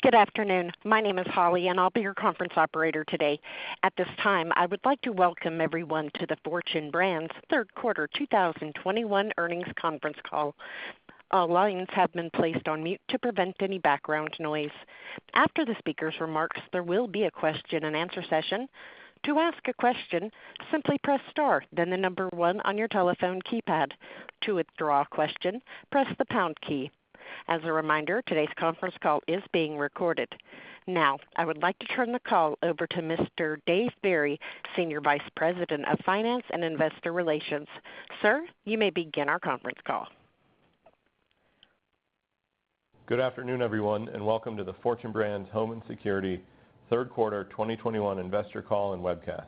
Good afternoon. My name is Holly, and I'll be your conference operator today. At this time, I would like to welcome everyone to the Fortune Brands Third Quarter 2021 Earnings Conference Call. All lines have been placed on mute to prevent any background noise. After the speaker's remarks, there will be a question-and-answer session. To ask a question, simply press star, then the number one on your telephone keypad. To withdraw a question, press the pound key. As a reminder, today's conference call is being recorded. Now, I would like to turn the call over to Mr. Dave Barry, Senior Vice President of Finance and Investor Relations. Sir, you may begin our conference call. Good afternoon, everyone, and welcome to the Fortune Brands Innovations third quarter 2021 investor call and webcast.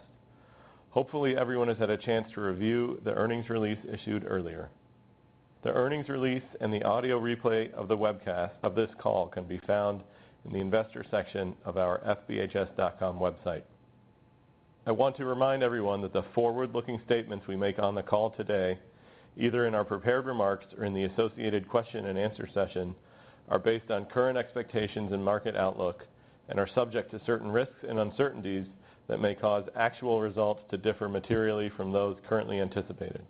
Hopefully, everyone has had a chance to review the earnings release issued earlier. The earnings release and the audio replay of the webcast of this call can be found in the investor section of our fbhs.com website. I want to remind everyone that the forward-looking statements we make on the call today, either in our prepared remarks or in the associated question-and-answer session, are based on current expectations and market outlook and are subject to certain risks and uncertainties that may cause actual results to differ materially from those currently anticipated.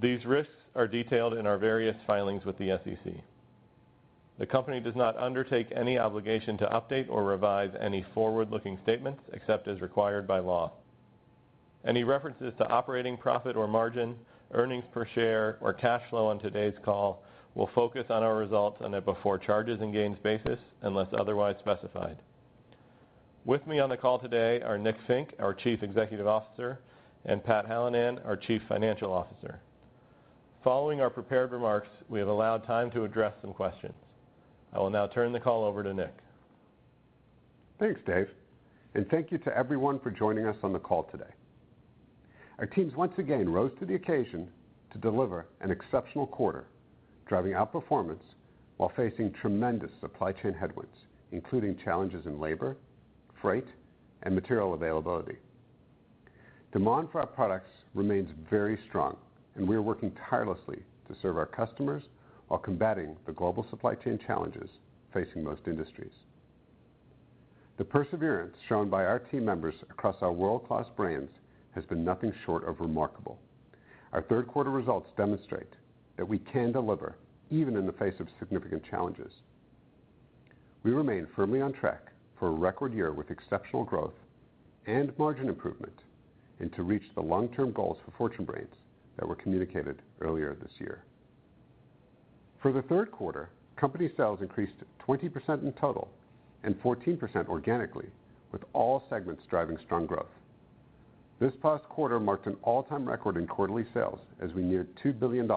These risks are detailed in our various filings with the SEC. The company does not undertake any obligation to update or revise any forward-looking statements except as required by law. Any references to operating profit or margin, earnings per share, or cash flow on today's call will focus on our results on a before charges and gains basis unless otherwise specified. With me on the call today are Nick Fink, our Chief Executive Officer, and Pat Hallinan, our Chief Financial Officer. Following our prepared remarks, we have allowed time to address some questions. I will now turn the call over to Nick. Thanks, Dave, and thank you to everyone for joining us on the call today. Our teams once again rose to the occasion to deliver an exceptional quarter, driving outperformance while facing tremendous supply chain headwinds, including challenges in labor, freight, and material availability. Demand for our products remains very strong, and we are working tirelessly to serve our customers while combating the global supply chain challenges facing most industries. The perseverance shown by our team members across our world-class brands has been nothing short of remarkable. Our third quarter results demonstrate that we can deliver even in the face of significant challenges. We remain firmly on track for a record year with exceptional growth and margin improvement and to reach the long-term goals for Fortune Brands that were communicated earlier this year. For the third quarter, company sales increased 20% in total and 14% organically, with all segments driving strong growth. This past quarter marked an all-time record in quarterly sales as we neared $2 billion.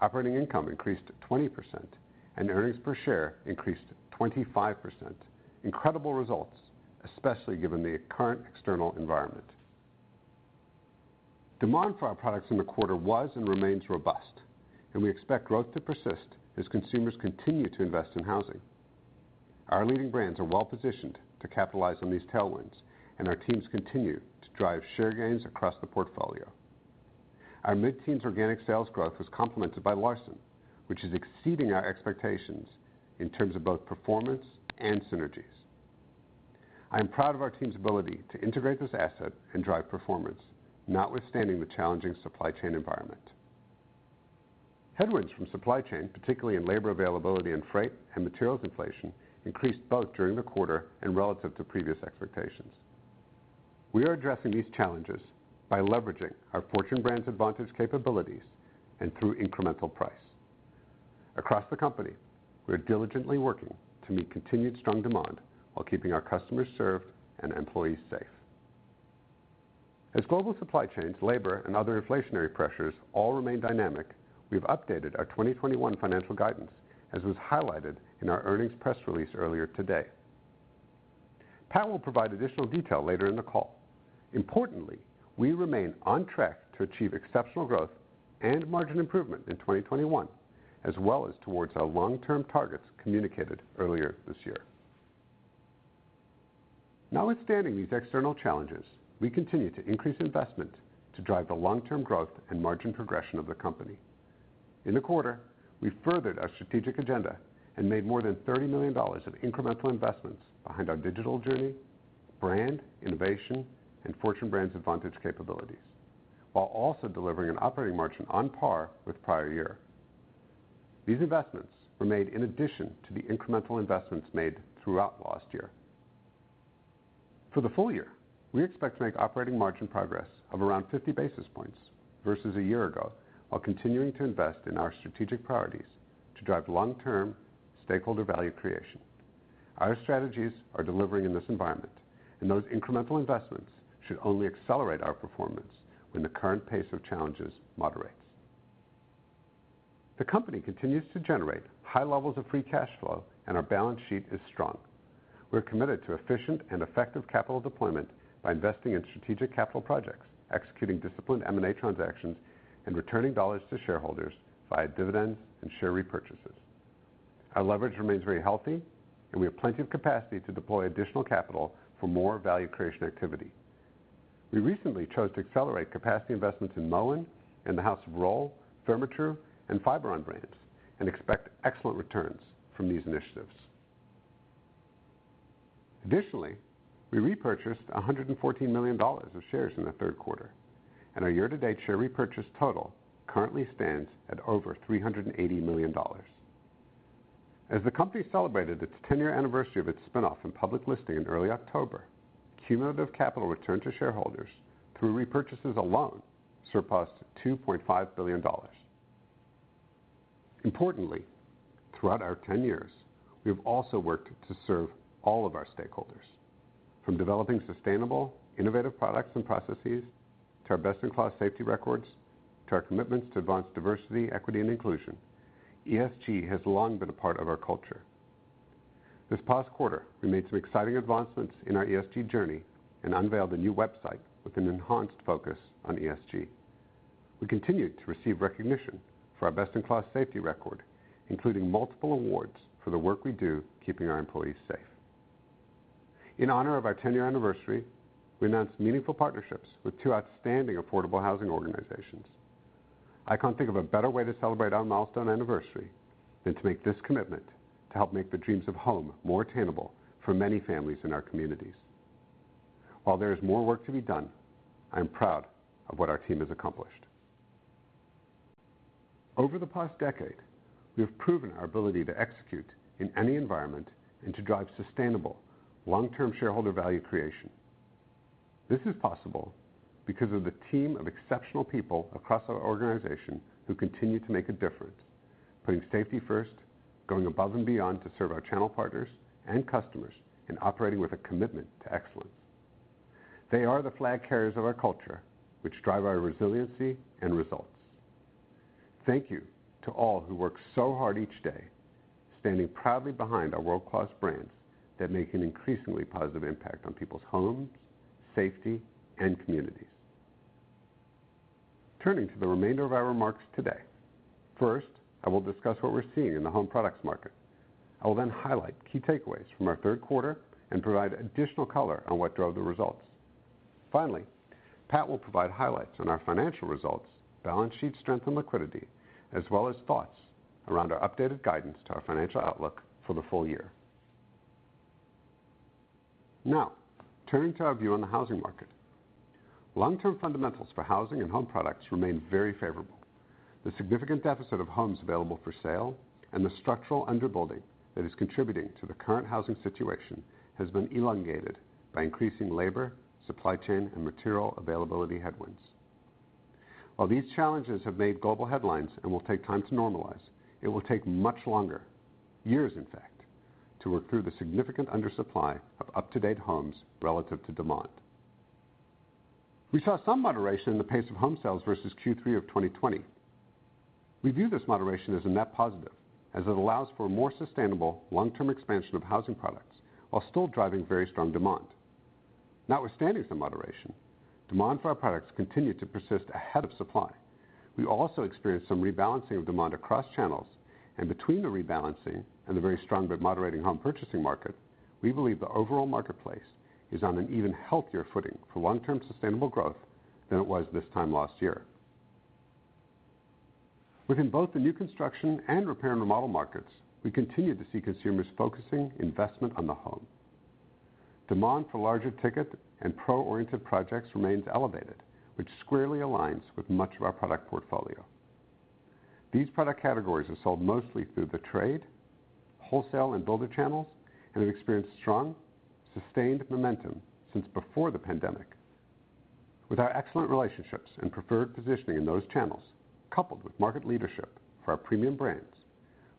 Operating income increased 20%, and earnings per share increased 25%. Incredible results, especially given the current external environment. Demand for our products in the quarter was and remains robust, and we expect growth to persist as consumers continue to invest in housing. Our leading brands are well-positioned to capitalize on these tailwinds, and our teams continue to drive share gains across the portfolio. Our mid-teens organic sales growth was complemented by LARSON, which is exceeding our expectations in terms of both performance and synergies. I am proud of our team's ability to integrate this asset and drive performance, notwithstanding the challenging supply chain environment. Headwinds from supply chain, particularly in labor availability and freight and materials inflation, increased both during the quarter and relative to previous expectations. We are addressing these challenges by leveraging our Fortune Brands Advantage capabilities and through incremental price. Across the company, we are diligently working to meet continued strong demand while keeping our customers served and employees safe. As global supply chains, labor, and other inflationary pressures all remain dynamic, we've updated our 2021 financial guidance, as was highlighted in our earnings press release earlier today. Pat will provide additional detail later in the call. Importantly, we remain on track to achieve exceptional growth and margin improvement in 2021, as well as towards our long-term targets communicated earlier this year. Notwithstanding these external challenges, we continue to increase investment to drive the long-term growth and margin progression of the company. In the quarter, we furthered our strategic agenda and made more than $30 million of incremental investments behind our digital journey, brand, innovation, and Fortune Brands Advantage capabilities, while also delivering an operating margin on par with prior year. These investments were made in addition to the incremental investments made throughout last year. For the full year, we expect to make operating margin progress of around 50 basis points versus a year ago while continuing to invest in our strategic priorities to drive long-term stakeholder value creation. Our strategies are delivering in this environment, and those incremental investments should only accelerate our performance when the current pace of challenges moderates. The company continues to generate high levels of free cash flow, and our balance sheet is strong. We're committed to efficient and effective capital deployment by investing in strategic capital projects, executing disciplined M&A transactions, and returning dollars to shareholders via dividends and share repurchases. Our leverage remains very healthy, and we have plenty of capacity to deploy additional capital for more value creation activity. We recently chose to accelerate capacity investments in Moen and the House of Rohl, Therma-Tru, and Fiberon brands, and expect excellent returns from these initiatives. Additionally, we repurchased $114 million of shares in the third quarter, and our year-to-date share repurchase total currently stands at over $380 million. As the company celebrated its 10-year anniversary of its spin-off and public listing in early October, cumulative capital return to shareholders through repurchases alone surpassed $2.5 billion. Importantly, throughout our 10 years, we have also worked to serve all of our stakeholders. From developing sustainable, innovative products and processes, to our best-in-class safety records, to our commitments to advance diversity, equity, and inclusion, ESG has long been a part of our culture. This past quarter, we made some exciting advancements in our ESG journey and unveiled a new website with an enhanced focus on ESG. We continued to receive recognition for our best-in-class safety record, including multiple awards for the work we do keeping our employees safe. In honor of our 10-year anniversary, we announced meaningful partnerships with two outstanding affordable housing organizations. I can't think of a better way to celebrate our milestone anniversary than to make this commitment to help make the dreams of home more attainable for many families in our communities. While there is more work to be done, I am proud of what our team has accomplished. Over the past decade, we have proven our ability to execute in any environment and to drive sustainable long-term shareholder value creation. This is possible because of the team of exceptional people across our organization who continue to make a difference, putting safety first, going above and beyond to serve our channel partners and customers, and operating with a commitment to excellence. They are the flag carriers of our culture, which drive our resiliency and results. Thank you to all who work so hard each day, standing proudly behind our world-class brands that make an increasingly positive impact on people's homes, safety, and communities. Turning to the remainder of our remarks today, first, I will discuss what we're seeing in the home products market. I will then highlight key takeaways from our third quarter and provide additional color on what drove the results. Finally, Pat will provide highlights on our financial results, balance sheet strength, and liquidity, as well as thoughts around our updated guidance to our financial outlook for the full year. Now, turning to our view on the housing market. Long-term fundamentals for housing and home products remain very favorable. The significant deficit of homes available for sale and the structural underbuilding that is contributing to the current housing situation has been elongated by increasing labor, supply chain, and material availability headwinds. While these challenges have made global headlines and will take time to normalize, it will take much longer, years in fact, to work through the significant undersupply of up-to-date homes relative to demand. We saw some moderation in the pace of home sales versus Q3 of 2020. We view this moderation as a net positive, as it allows for a more sustainable long-term expansion of housing products while still driving very strong demand. Notwithstanding some moderation, demand for our products continued to persist ahead of supply. We also experienced some rebalancing of demand across channels, and between the rebalancing and the very strong but moderating home purchasing market, we believe the overall marketplace is on an even healthier footing for long-term sustainable growth than it was this time last year. Within both the new construction and repair and remodel markets, we continue to see consumers focusing investment on the home. Demand for larger ticket and pro-oriented projects remains elevated, which squarely aligns with much of our product portfolio. These product categories are sold mostly through the trade, wholesale, and builder channels, and have experienced strong, sustained momentum since before the pandemic. With our excellent relationships and preferred positioning in those channels, coupled with market leadership for our premium brands,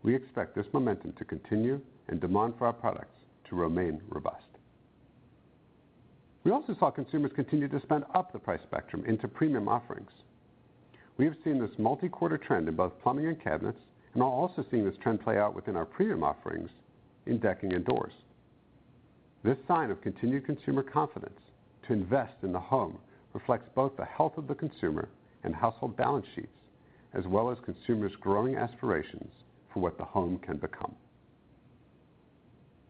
we expect this momentum to continue and demand for our products to remain robust. We also saw consumers continue to spend up the price spectrum into premium offerings. We have seen this multi-quarter trend in both plumbing and cabinets and are also seeing this trend play out within our premium offerings in decking and doors. This sign of continued consumer confidence to invest in the home reflects both the health of the consumer and household balance sheets, as well as consumers' growing aspirations for what the home can become.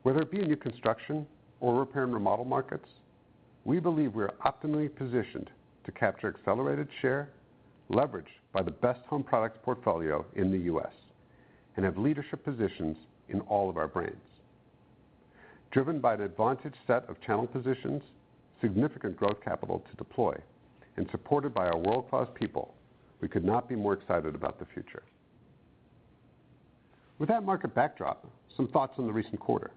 Whether it be in new construction or repair and remodel markets, we believe we are optimally positioned to capture accelerated share leverage by the best home products portfolio in the U.S. and have leadership positions in all of our brands. Driven by an advantaged set of channel positions, significant growth capital to deploy, and supported by our world-class people, we could not be more excited about the future. With that market backdrop, some thoughts on the recent quarter.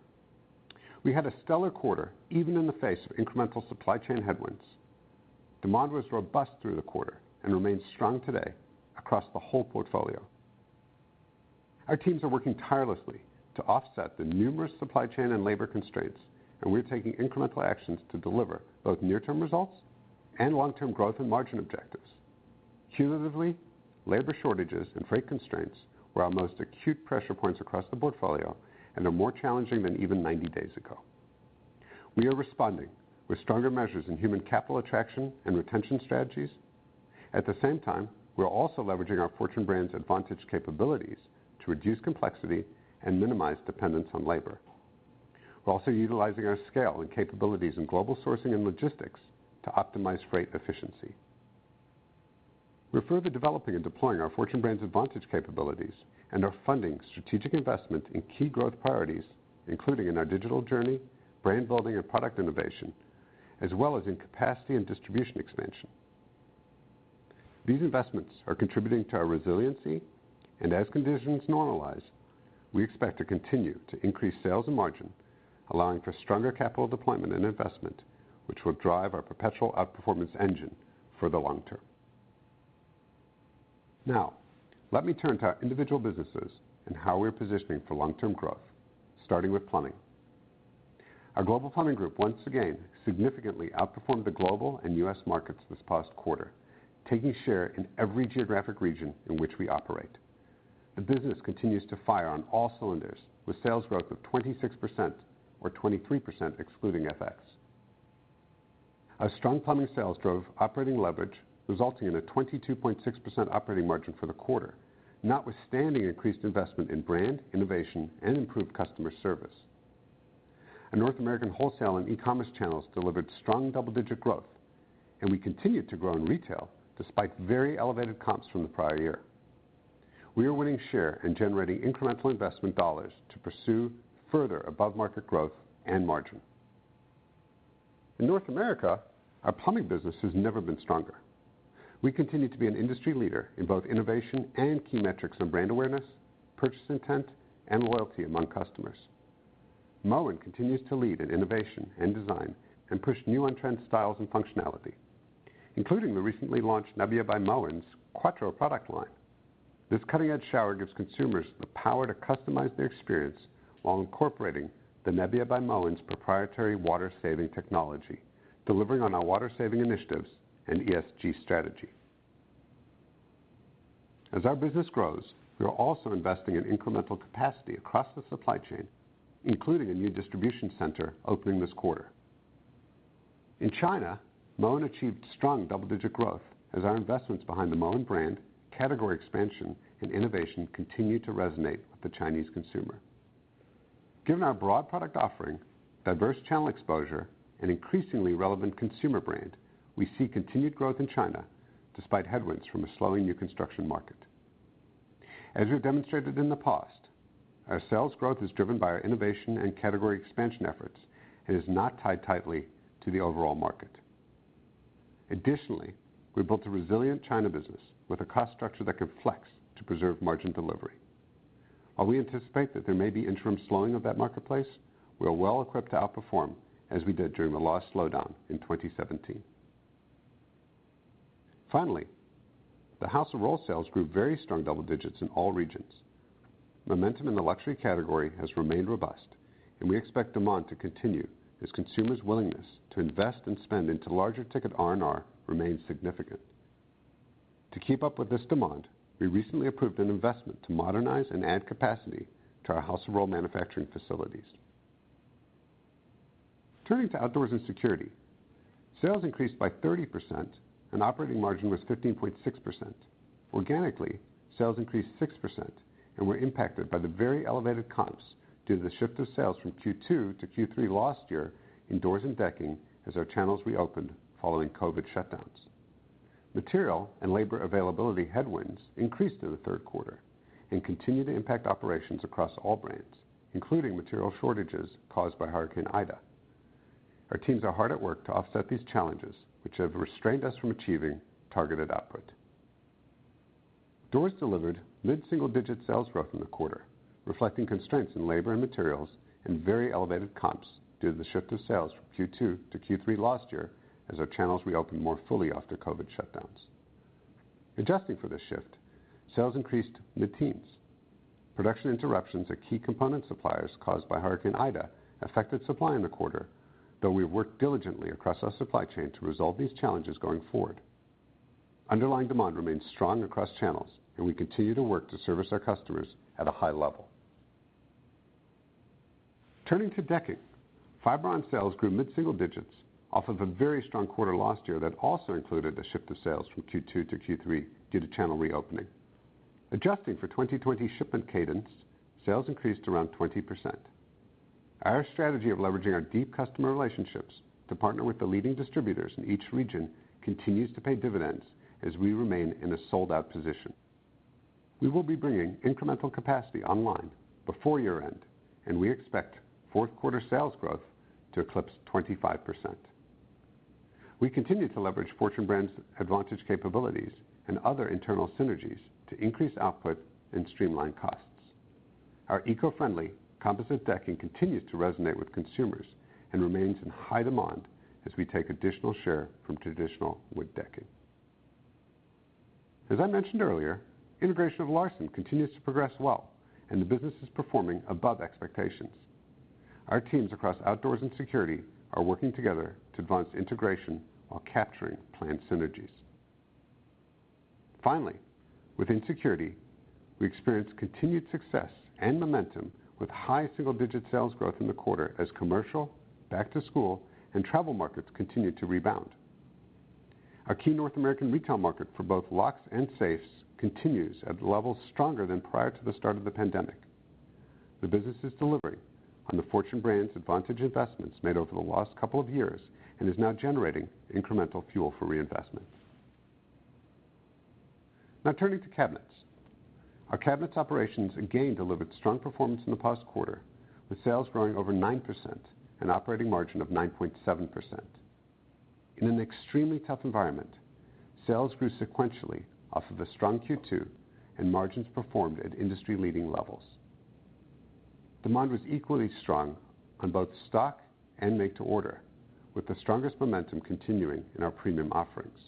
We had a stellar quarter, even in the face of incremental supply chain headwinds. Demand was robust through the quarter and remains strong today across the whole portfolio. Our teams are working tirelessly to offset the numerous supply chain and labor constraints, and we're taking incremental actions to deliver both near-term results and long-term growth and margin objectives. Cumulatively, labor shortages and freight constraints were our most acute pressure points across the portfolio and are more challenging than even 90 days ago. We are responding with stronger measures in human capital attraction and retention strategies. At the same time, we're also leveraging our Fortune Brands Advantage capabilities to reduce complexity and minimize dependence on labor. We're also utilizing our scale and capabilities in global sourcing and logistics to optimize freight efficiency. We're further developing and deploying our Fortune Brands Advantage capabilities and are funding strategic investment in key growth priorities, including in our digital journey, brand building, and product innovation, as well as in capacity and distribution expansion. These investments are contributing to our resiliency, and as conditions normalize, we expect to continue to increase sales and margin, allowing for stronger capital deployment and investment, which will drive our perpetual outperformance engine for the long term. Now, let me turn to our individual businesses and how we're positioning for long-term growth, starting with plumbing. Our global plumbing group once again significantly outperformed the global and U.S. markets this past quarter, taking share in every geographic region in which we operate. The business continues to fire on all cylinders with sales growth of 26% or 23% excluding FX. Our strong plumbing sales drove operating leverage, resulting in a 22.6% operating margin for the quarter, notwithstanding increased investment in brand, innovation, and improved customer service. Our North American wholesale and e-commerce channels delivered strong double-digit growth, and we continued to grow in retail despite very elevated comps from the prior year. We are winning share and generating incremental investment dollars to pursue further above-market growth and margin. In North America, our plumbing business has never been stronger. We continue to be an industry leader in both innovation and key metrics on brand awareness, purchase intent, and loyalty among customers. Moen continues to lead in innovation and design and push new on-trend styles and functionality, including the recently launched Nebia by Moen Quattro product line. This cutting-edge shower gives consumers the power to customize their experience while incorporating the Nebia by Moen's proprietary water-saving technology, delivering on our water-saving initiatives and ESG strategy. As our business grows, we are also investing in incremental capacity across the supply chain, including a new distribution center opening this quarter. In China, Moen achieved strong double-digit growth as our investments behind the Moen brand, category expansion, and innovation continued to resonate with the Chinese consumer. Given our broad product offering, diverse channel exposure, and increasingly relevant consumer brand, we see continued growth in China despite headwinds from a slowing new construction market. As we've demonstrated in the past, our sales growth is driven by our innovation and category expansion efforts and is not tied tightly to the overall market. Additionally, we built a resilient China business with a cost structure that can flex to preserve margin delivery. While we anticipate that there may be interim slowing of that marketplace, we are well equipped to outperform as we did during the last slowdown in 2017. Finally, the House of Rohl sales grew very strong double digits in all regions. Momentum in the luxury category has remained robust, and we expect demand to continue as consumers' willingness to invest and spend into larger ticket R&R remains significant. To keep up with this demand, we recently approved an investment to modernize and add capacity to our House of Rohl manufacturing facilities. Turning to Outdoors & Security, sales increased by 30% and operating margin was 15.6%. Organically, sales increased 6% and were impacted by the very elevated comps due to the shift of sales from Q2 to Q3 last year in doors and decking as our channels reopened following COVID shutdowns. Material and labor availability headwinds increased through the third quarter and continue to impact operations across all brands, including material shortages caused by Hurricane Ida. Our teams are hard at work to offset these challenges, which have restrained us from achieving targeted output. Doors delivered mid-single-digit sales growth in the quarter, reflecting constraints in labor and materials and very elevated comps due to the shift of sales from Q2 to Q3 last year as our channels reopened more fully after COVID shutdowns. Adjusting for this shift, sales increased mid-teens. Production interruptions at key component suppliers caused by Hurricane Ida affected supply in the quarter, though we have worked diligently across our supply chain to resolve these challenges going forward. Underlying demand remains strong across channels, and we continue to work to service our customers at a high level. Turning to decking, Fiberon sales grew mid-single digits% off of a very strong quarter last year that also included a shift of sales from Q2 to Q3 due to channel reopening. Adjusting for 2020 shipment cadence, sales increased around 20%. Our strategy of leveraging our deep customer relationships to partner with the leading distributors in each region continues to pay dividends as we remain in a sold-out position. We will be bringing incremental capacity online before year-end, and we expect fourth quarter sales growth to eclipse 25%. We continue to leverage Fortune Brands Advantage capabilities and other internal synergies to increase output and streamline costs. Our eco-friendly composite decking continues to resonate with consumers and remains in high demand as we take additional share from traditional wood decking. As I mentioned earlier, integration of LARSON continues to progress well, and the business is performing above expectations. Our teams across Outdoors & Security are working together to advance integration while capturing planned synergies. Finally, within security, we experienced continued success and momentum with high single-digit sales growth in the quarter as commercial, back to school, and travel markets continued to rebound. Our key North American retail market for both locks and safes continue at levels stronger than prior to the start of the pandemic. The business is delivering on the Fortune Brands Advantage investments made over the last couple of years and is now generating incremental fuel for reinvestment. Now turning to Cabinets. Our Cabinets operations again delivered strong performance in the past quarter, with sales growing over 9% and operating margin of 9.7%. In an extremely tough environment, sales grew sequentially off of a strong Q2 and margins performed at industry-leading levels. Demand was equally strong on both stock and make-to-order, with the strongest momentum continuing in our premium offerings.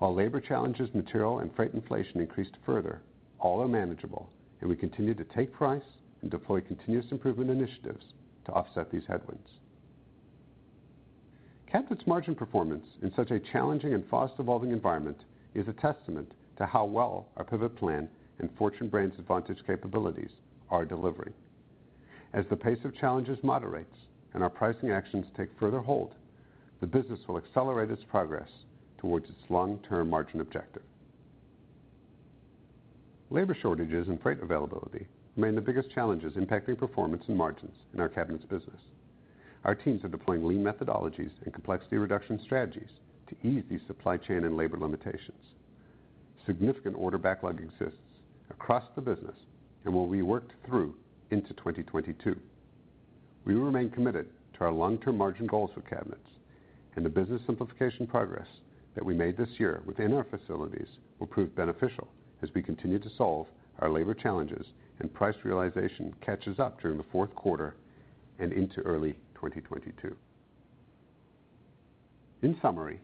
While labor challenges, material, and freight inflation increased further, all are manageable, and we continue to take price and deploy continuous improvement initiatives to offset these headwinds. Cabinets margin performance in such a challenging and fast-evolving environment is a testament to how well our pivot plan and Fortune Brands Advantage capabilities are delivering. As the pace of challenges moderates and our pricing actions take further hold, the business will accelerate its progress towards its long-term margin objective. Labor shortages and freight availability remain the biggest challenges impacting performance and margins in our Cabinets business. Our teams are deploying lean methodologies and complexity reduction strategies to ease these supply chain and labor limitations. Significant order backlog exists across the business and will be worked through into 2022. We remain committed to our long-term margin goals for Cabinets, and the business simplification progress that we made this year within our facilities will prove beneficial as we continue to solve our labor challenges and price realization catches up during the fourth quarter and into early 2022. In summary,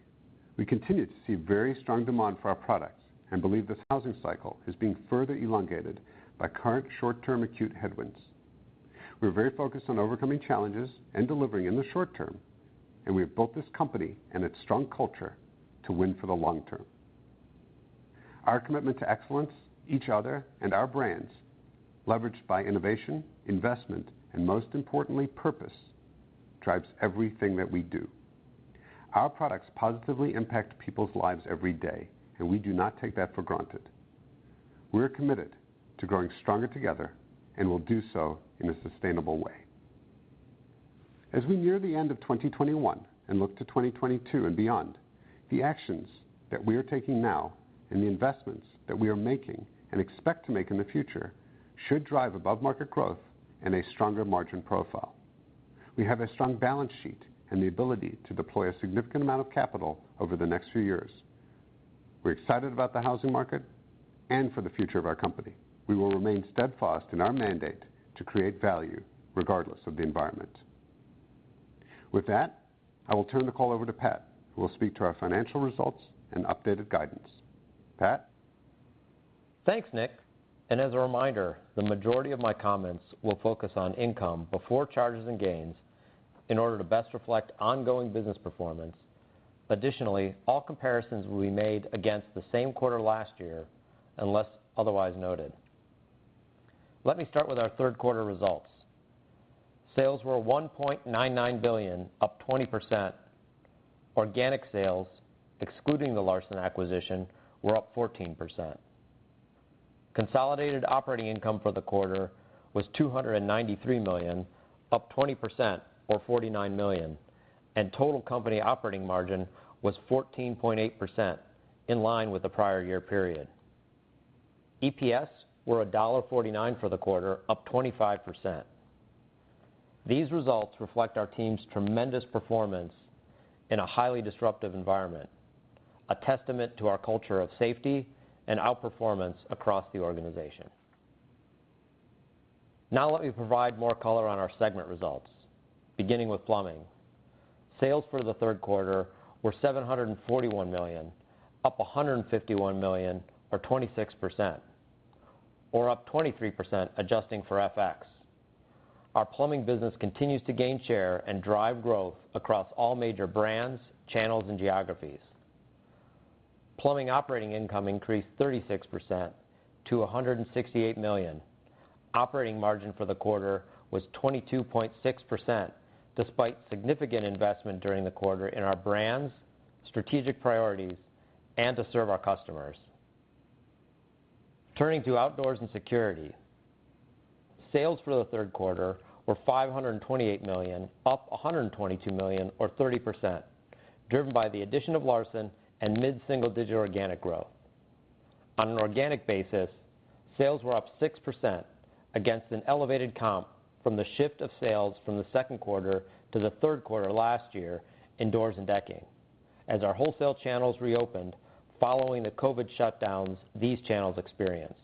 we continue to see very strong demand for our products and believe this housing cycle is being further elongated by current short-term acute headwinds. We're very focused on overcoming challenges and delivering in the short term, and we have built this company and its strong culture to win for the long term. Our commitment to excellence, each other, and our brands, leveraged by innovation, investment, and most importantly, purpose, drives everything that we do. Our products positively impact people's lives every day, and we do not take that for granted. We're committed to growing stronger together and will do so in a sustainable way. As we near the end of 2021 and look to 2022 and beyond, the actions that we are taking now and the investments that we are making and expect to make in the future should drive above-market growth and a stronger margin profile. We have a strong balance sheet and the ability to deploy a significant amount of capital over the next few years. We're excited about the housing market and for the future of our company. We will remain steadfast in our mandate to create value regardless of the environment. With that, I will turn the call over to Pat, who will speak to our financial results and updated guidance. Pat? Thanks, Nick. As a reminder, the majority of my comments will focus on income before charges and gains in order to best reflect ongoing business performance. Additionally, all comparisons will be made against the same quarter last year, unless otherwise noted. Let me start with our third quarter results. Sales were $1.99 billion, up 20%. Organic sales, excluding the LARSON acquisition, were up 14%. Consolidated operating income for the quarter was $293 million, up 20%, or $49 million. Total company operating margin was 14.8%, in line with the prior year period. EPS were $1.49 for the quarter, up 25%. These results reflect our team's tremendous performance in a highly disruptive environment, a testament to our culture of safety and outperformance across the organization. Now let me provide more color on our segment results, beginning with Plumbing. Sales for the third quarter were $741 million, up $151 million, or 26%. Up 23% adjusting for FX. Our Plumbing business continues to gain share and drive growth across all major brands, channels, and geographies. Plumbing operating income increased 36% to $168 million. Operating margin for the quarter was 22.6%, despite significant investment during the quarter in our brands, strategic priorities, and to serve our customers. Turning to Outdoors & Security. Sales for the third quarter were $528 million, up $122 million, or 30%, driven by the addition of LARSON and mid-single-digit organic growth. On an organic basis, sales were up 6% against an elevated comp from the shift of sales from the second quarter to the third quarter last year in doors and decking as our wholesale channels reopened following the COVID shutdowns these channels experienced.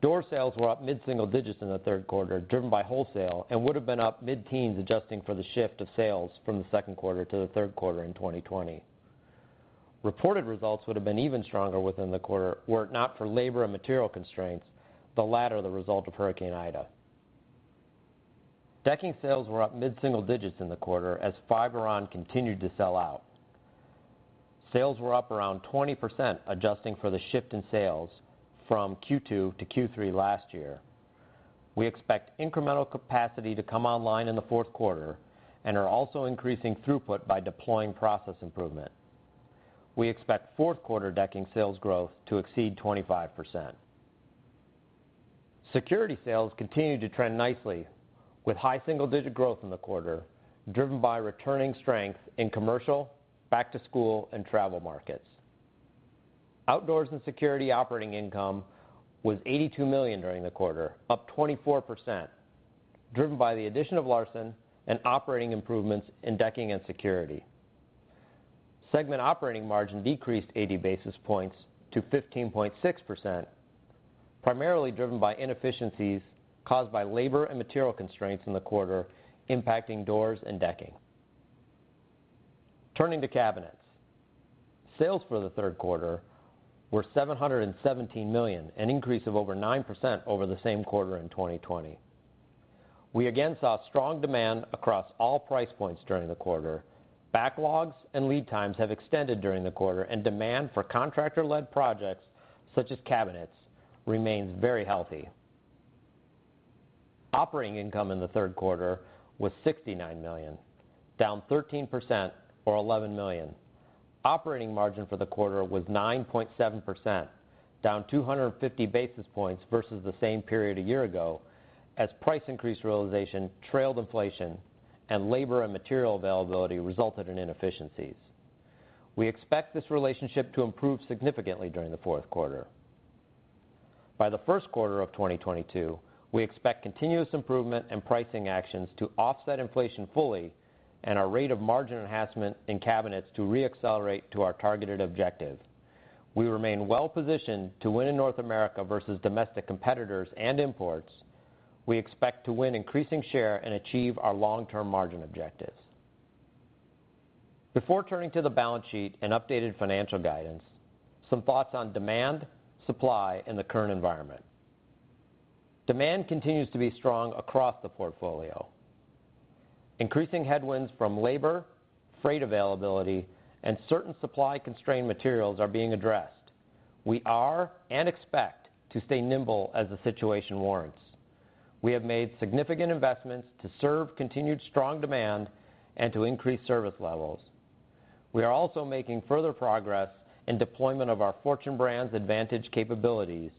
Door sales were up mid-single digits in the third quarter, driven by wholesale, and would have been up mid-teens adjusting for the shift of sales from the second quarter to the third quarter in 2020. Reported results would have been even stronger within the quarter were it not for labor and material constraints, the latter the result of Hurricane Ida. Decking sales were up mid-single digits in the quarter as Fiberon continued to sell out. Sales were up around 20% adjusting for the shift in sales from Q2 to Q3 last year. We expect incremental capacity to come online in the fourth quarter and are also increasing throughput by deploying process improvement. We expect fourth quarter decking sales growth to exceed 25%. Security sales continue to trend nicely with high single-digit growth in the quarter, driven by returning strength in commercial, back to school, and travel markets. Outdoors & Security operating income was $82 million during the quarter, up 24%, driven by the addition of LARSON and operating improvements in decking and security. Segment operating margin decreased 80 basis points to 15.6%, primarily driven by inefficiencies caused by labor and material constraints in the quarter, impacting doors and decking. Turning to Cabinets. Sales for the third quarter were $717 million, an increase of over 9% over the same quarter in 2020. We again saw strong demand across all price points during the quarter. Backlogs and lead times have extended during the quarter and demand for contractor-led projects, such as Cabinets, remains very healthy. Operating income in the third quarter was $69 million, down 13% or $11 million. Operating margin for the quarter was 9.7%, down 250 basis points versus the same period a year ago, as price increase realization trailed inflation and labor and material availability resulted in inefficiencies. We expect this relationship to improve significantly during the fourth quarter. By the first quarter of 2022, we expect continuous improvement and pricing actions to offset inflation fully and our rate of margin enhancement in Cabinets to re-accelerate to our targeted objective. We remain well positioned to win in North America versus domestic competitors and imports. We expect to win increasing share and achieve our long-term margin objectives. Before turning to the balance sheet and updated financial guidance, some thoughts on demand, supply in the current environment. Demand continues to be strong across the portfolio. Increasing headwinds from labor, freight availability and certain supply-constrained materials are being addressed. We are and expect to stay nimble as the situation warrants. We have made significant investments to serve continued strong demand and to increase service levels. We are also making further progress in deployment of our Fortune Brands Advantage capabilities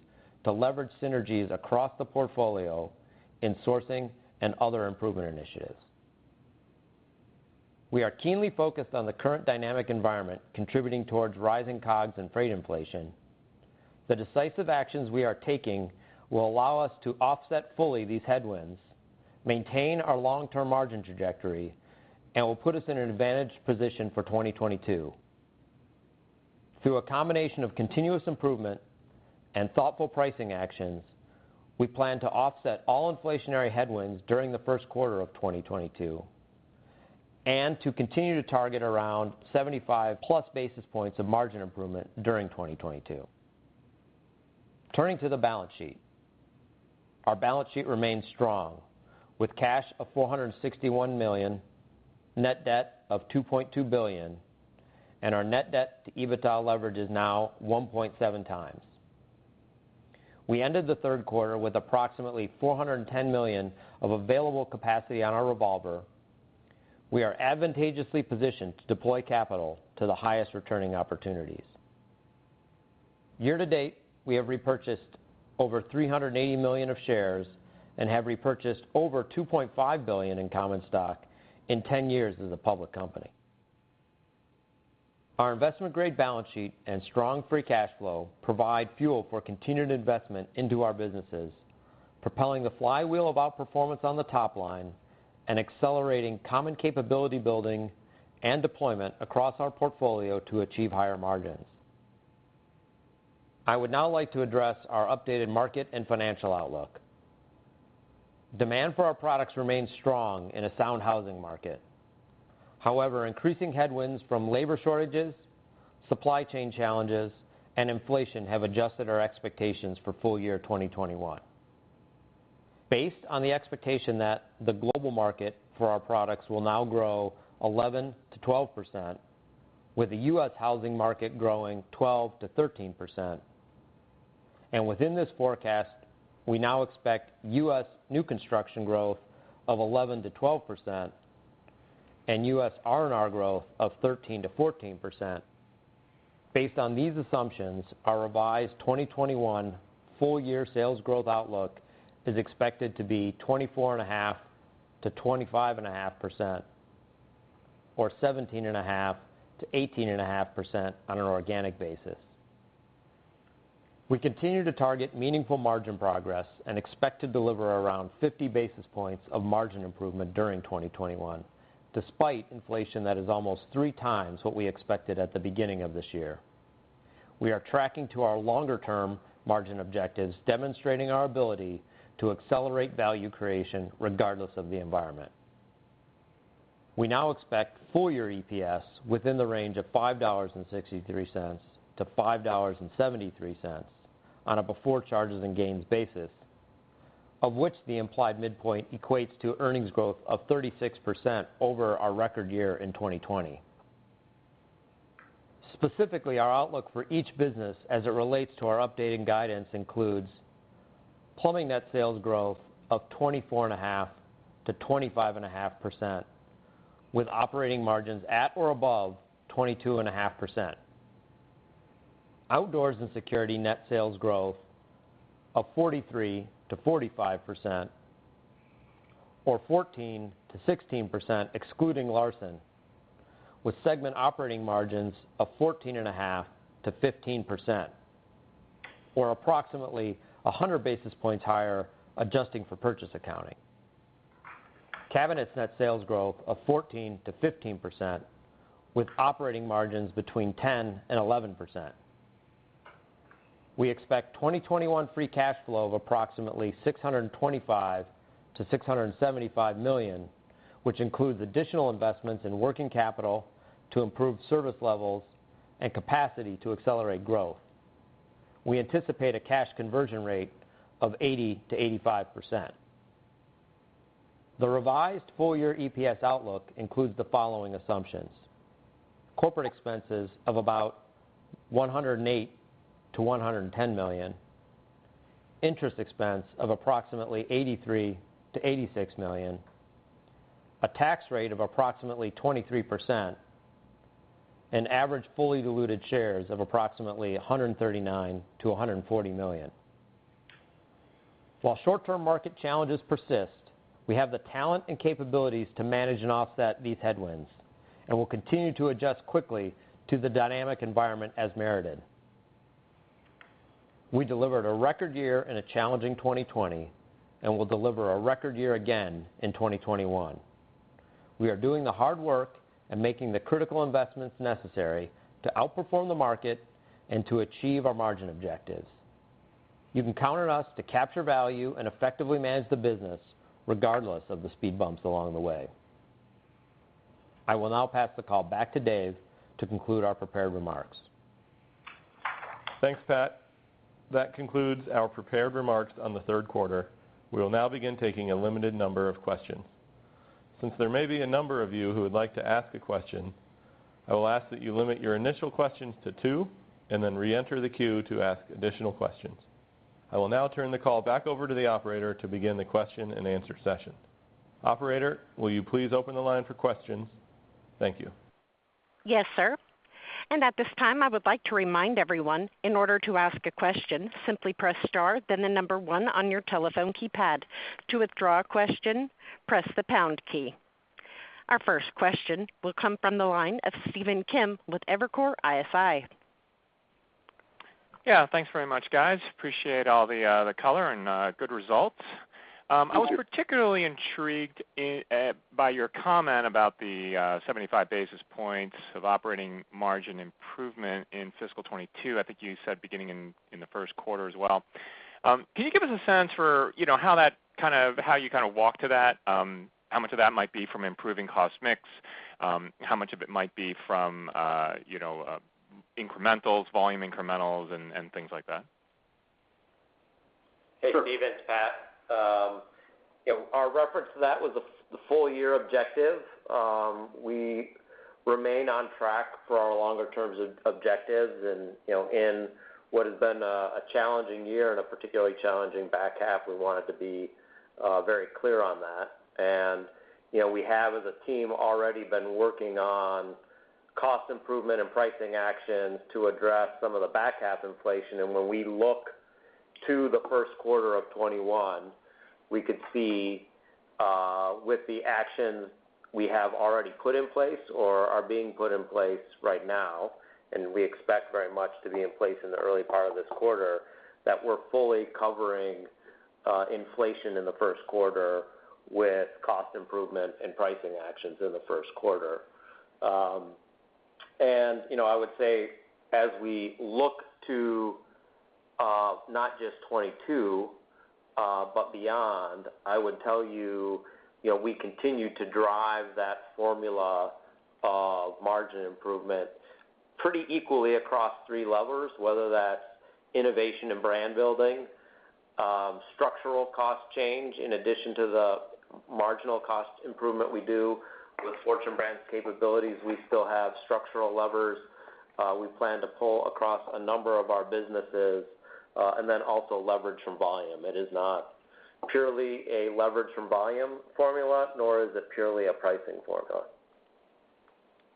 to leverage synergies across the portfolio in sourcing and other improvement initiatives. We are keenly focused on the current dynamic environment contributing towards rising COGS and freight inflation. The decisive actions we are taking will allow us to offset fully these headwinds, maintain our long-term margin trajectory, and will put us in an advantaged position for 2022. Through a combination of continuous improvement and thoughtful pricing actions, we plan to offset all inflationary headwinds during the first quarter of 2022 and to continue to target around 75+ basis points of margin improvement during 2022. Turning to the balance sheet. Our balance sheet remains strong with cash of $461 million, net debt of $2.2 billion, and our net debt to EBITDA leverage is now 1.7 times. We ended the third quarter with approximately $410 million of available capacity on our revolver. We are advantageously positioned to deploy capital to the highest returning opportunities. Year to date, we have repurchased over $380 million of shares and have repurchased over $2.5 billion in common stock in 10 years as a public company. Our investment-grade balance sheet and strong free cash flow provide fuel for continued investment into our businesses, propelling the flywheel of outperformance on the top line and accelerating common capability building and deployment across our portfolio to achieve higher margins. I would now like to address our updated market and financial outlook. Demand for our products remains strong in a sound housing market. However, increasing headwinds from labor shortages, supply chain challenges and inflation have adjusted our expectations for full year 2021. Based on the expectation that the global market for our products will now grow 11%-12%, with the U.S. housing market growing 12%-13%. Within this forecast, we now expect U.S. new construction growth of 11%-12% and U.S. R&R growth of 13%-14%. Based on these assumptions, our revised 2021 full-year sales growth outlook is expected to be 24.5%-25.5% or 17.5%-18.5% on an organic basis. We continue to target meaningful margin progress and expect to deliver around 50 basis points of margin improvement during 2021, despite inflation that is almost 3 times what we expected at the beginning of this year. We are tracking to our longer-term margin objectives, demonstrating our ability to accelerate value creation regardless of the environment. We now expect full-year EPS within the range of $5.63-$5.73 on a before charges and gains basis, of which the implied midpoint equates to earnings growth of 36% over our record year in 2020. Specifically, our outlook for each business as it relates to our updating guidance includes plumbing net sales growth of 24.5%-25.5% with operating margins at or above 22.5%. Outdoors & Security net sales growth of 43%-45% or 14%-16% excluding LARSON, with segment operating margins of 14.5%-15%, or approximately 100 basis points higher, adjusting for purchase accounting. Cabinets net sales growth of 14%-15% with operating margins between 10%-11%. We expect 2021 free cash flow of approximately $625 million-$675 million, which includes additional investments in working capital to improve service levels and capacity to accelerate growth. We anticipate a cash conversion rate of 80%-85%. The revised full-year EPS outlook includes the following assumptions: corporate expenses of about $108 million-$110 million, interest expense of approximately $83 million-$86 million, a tax rate of approximately 23%, and average fully diluted shares of approximately $139 million-$140 million. While short-term market challenges persist, we have the talent and capabilities to manage and offset these headwinds, and we'll continue to adjust quickly to the dynamic environment as merited. We delivered a record year in a challenging 2020, and we'll deliver a record year again in 2021. We are doing the hard work and making the critical investments necessary to outperform the market and to achieve our margin objectives. You can count on us to capture value and effectively manage the business regardless of the speed bumps along the way. I will now pass the call back to Dave to conclude our prepared remarks. Thanks, Pat. That concludes our prepared remarks on the third quarter. We will now begin taking a limited number of questions. Since there may be a number of you who would like to ask a question, I will ask that you limit your initial questions to two and then reenter the queue to ask additional questions. I will now turn the call back over to the operator to begin the question-and-answer session. Operator, will you please open the line for questions? Thank you. Yes, sir. At this time, I would like to remind everyone, in order to ask a question, simply press star then the number one on your telephone keypad. To withdraw a question, press the pound key. Our first question will come from the line of Stephen Kim with Evercore ISI. Yeah. Thanks very much, guys. Appreciate all the color and good results. I was particularly intrigued by your comment about the 75 basis points of operating margin improvement in fiscal 2022. I think you said beginning in the first quarter as well. Can you give us a sense for, you know, how you kind of walk to that? How much of that might be from improving cost mix? How much of it might be from, you know, incremental, volume incremental and things like that? Hey, Stephen, it's Pat. You know, our reference to that was the full year objective. We remain on track for our longer-term objectives and, you know, in what has been a challenging year and a particularly challenging back half, we wanted to be very clear on that. You know, we have, as a team, already been working on cost improvement and pricing actions to address some of the back half inflation. When we look to the first quarter of 2021, we could see with the actions we have already put in place or are being put in place right now, and we expect very much to be in place in the early part of this quarter, that we're fully covering inflation in the first quarter with cost improvement and pricing actions in the first quarter. You know, I would say as we look to not just 2022, but beyond, I would tell you know, we continue to drive that formula of margin improvement pretty equally across three levers, whether that's innovation and brand building, structural cost change in addition to the marginal cost improvement we do with Fortune Brands capabilities. We still have structural levers we plan to pull across a number of our businesses, and then also leverage from volume. It is not purely a leverage from volume formula, nor is it purely a pricing formula.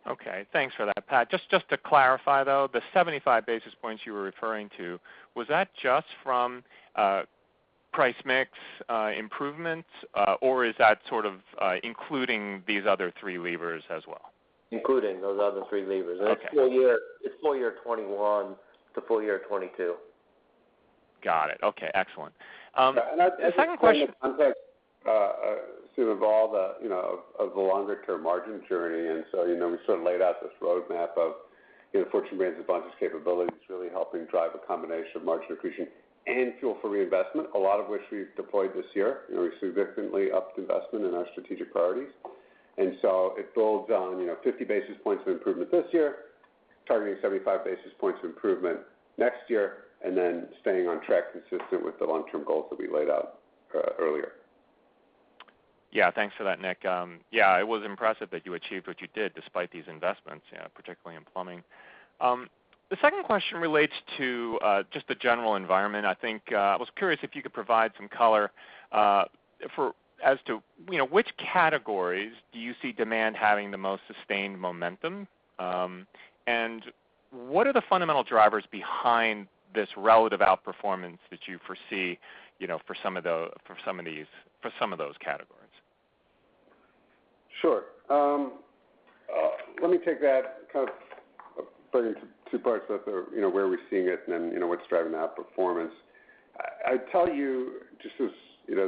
Okay, thanks for that, Pat. Just to clarify, though, the 75 basis points you were referring to, was that just from price mix improvements, or is that sort of including these other three levers as well? Including those other 3 levers. Okay. It's full year 2021 to full year 2022. Got it. Okay, excellent. The second question. Sort of all the, you know, of the longer-term margin journey, you know, we sort of laid out this roadmap of you know, Fortune Brands Advantage really helping drive a combination of margin accretion and fuel for reinvestment, a lot of which we've deployed this year. You know, we significantly upped investment in our strategic priorities. It builds on, you know, 50 basis points of improvement this year, targeting 75 basis points of improvement next year, and then staying on track consistent with the long-term goals that we laid out earlier. Thanks for that, Nick. It was impressive that you achieved what you did despite these investments, particularly in plumbing. The second question relates to just the general environment. I think I was curious if you could provide some color as to, you know, which categories do you see demand having the most sustained momentum? What are the fundamental drivers behind this relative outperformance that you foresee, you know, for some of those categories? Sure. Let me take that kind of probably into two parts that are, you know, where we're seeing it and then, you know, what's driving the outperformance. I'd tell you, just as, you know,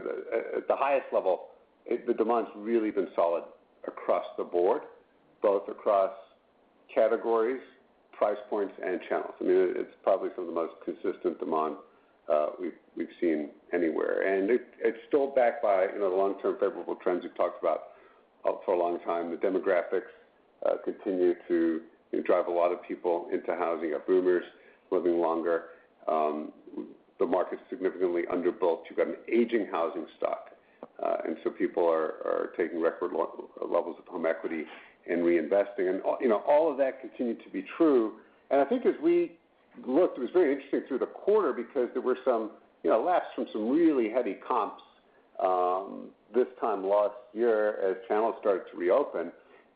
at the highest level, the demand's really been solid across the board, both across categories, price points, and channels. I mean, it's probably some of the most consistent demand we've seen anywhere. It's still backed by, you know, the long-term favorable trends we've talked about for a long time. The demographics continue to drive a lot of people into housing. You got boomers living longer. The market's significantly underbuilt. You've got an aging housing stock, and so people are taking record levels of home equity and reinvesting. All, you know, all of that continued to be true. I think as we looked, it was very interesting through the quarter because there were some, you know, laps from some really heavy comps this time last year as channels started to reopen.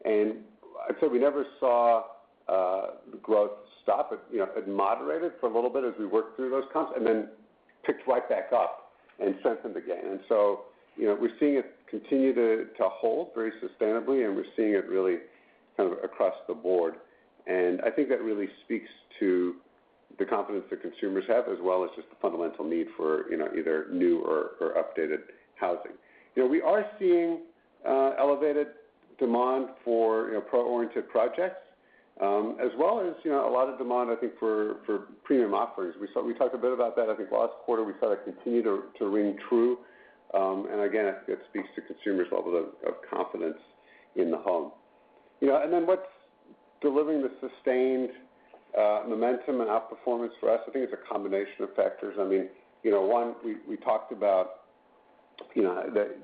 I'd say we never saw the growth stop. It, you know, it moderated for a little bit as we worked through those comps and then picked right back up and sent them again. You know, we're seeing it continue to hold very sustainably, and we're seeing it really kind of across the board. I think that really speaks to the confidence that consumers have, as well as just the fundamental need for, you know, either new or updated housing. You know, we are seeing elevated demand for, you know, pro-oriented projects, as well as, you know, a lot of demand, I think, for premium offerings. We talked a bit about that, I think, last quarter. We saw that continue to ring true. And again, it speaks to consumers' level of confidence in the home. You know, and then what's delivering the sustained momentum and outperformance for us, I think it's a combination of factors. I mean, you know, one, we talked about, you know, that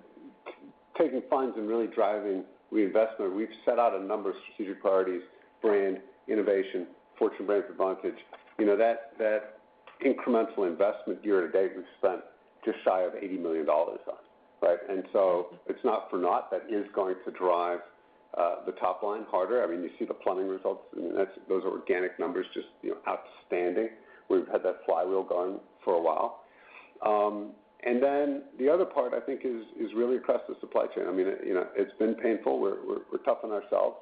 taking funds and really driving reinvestment. We've set out a number of strategic priorities, brand, innovation, Fortune Brands Advantage. You know that incremental investment year to date, we've spent just shy of $80 million on, right? It's not for naught. That is going to drive the top line harder. I mean, you see the plumbing results, and that's those organic numbers just, you know, outstanding. We've had that flywheel going for a while. The other part I think is really across the supply chain. I mean, it, you know, it's been painful. We're tough on ourselves.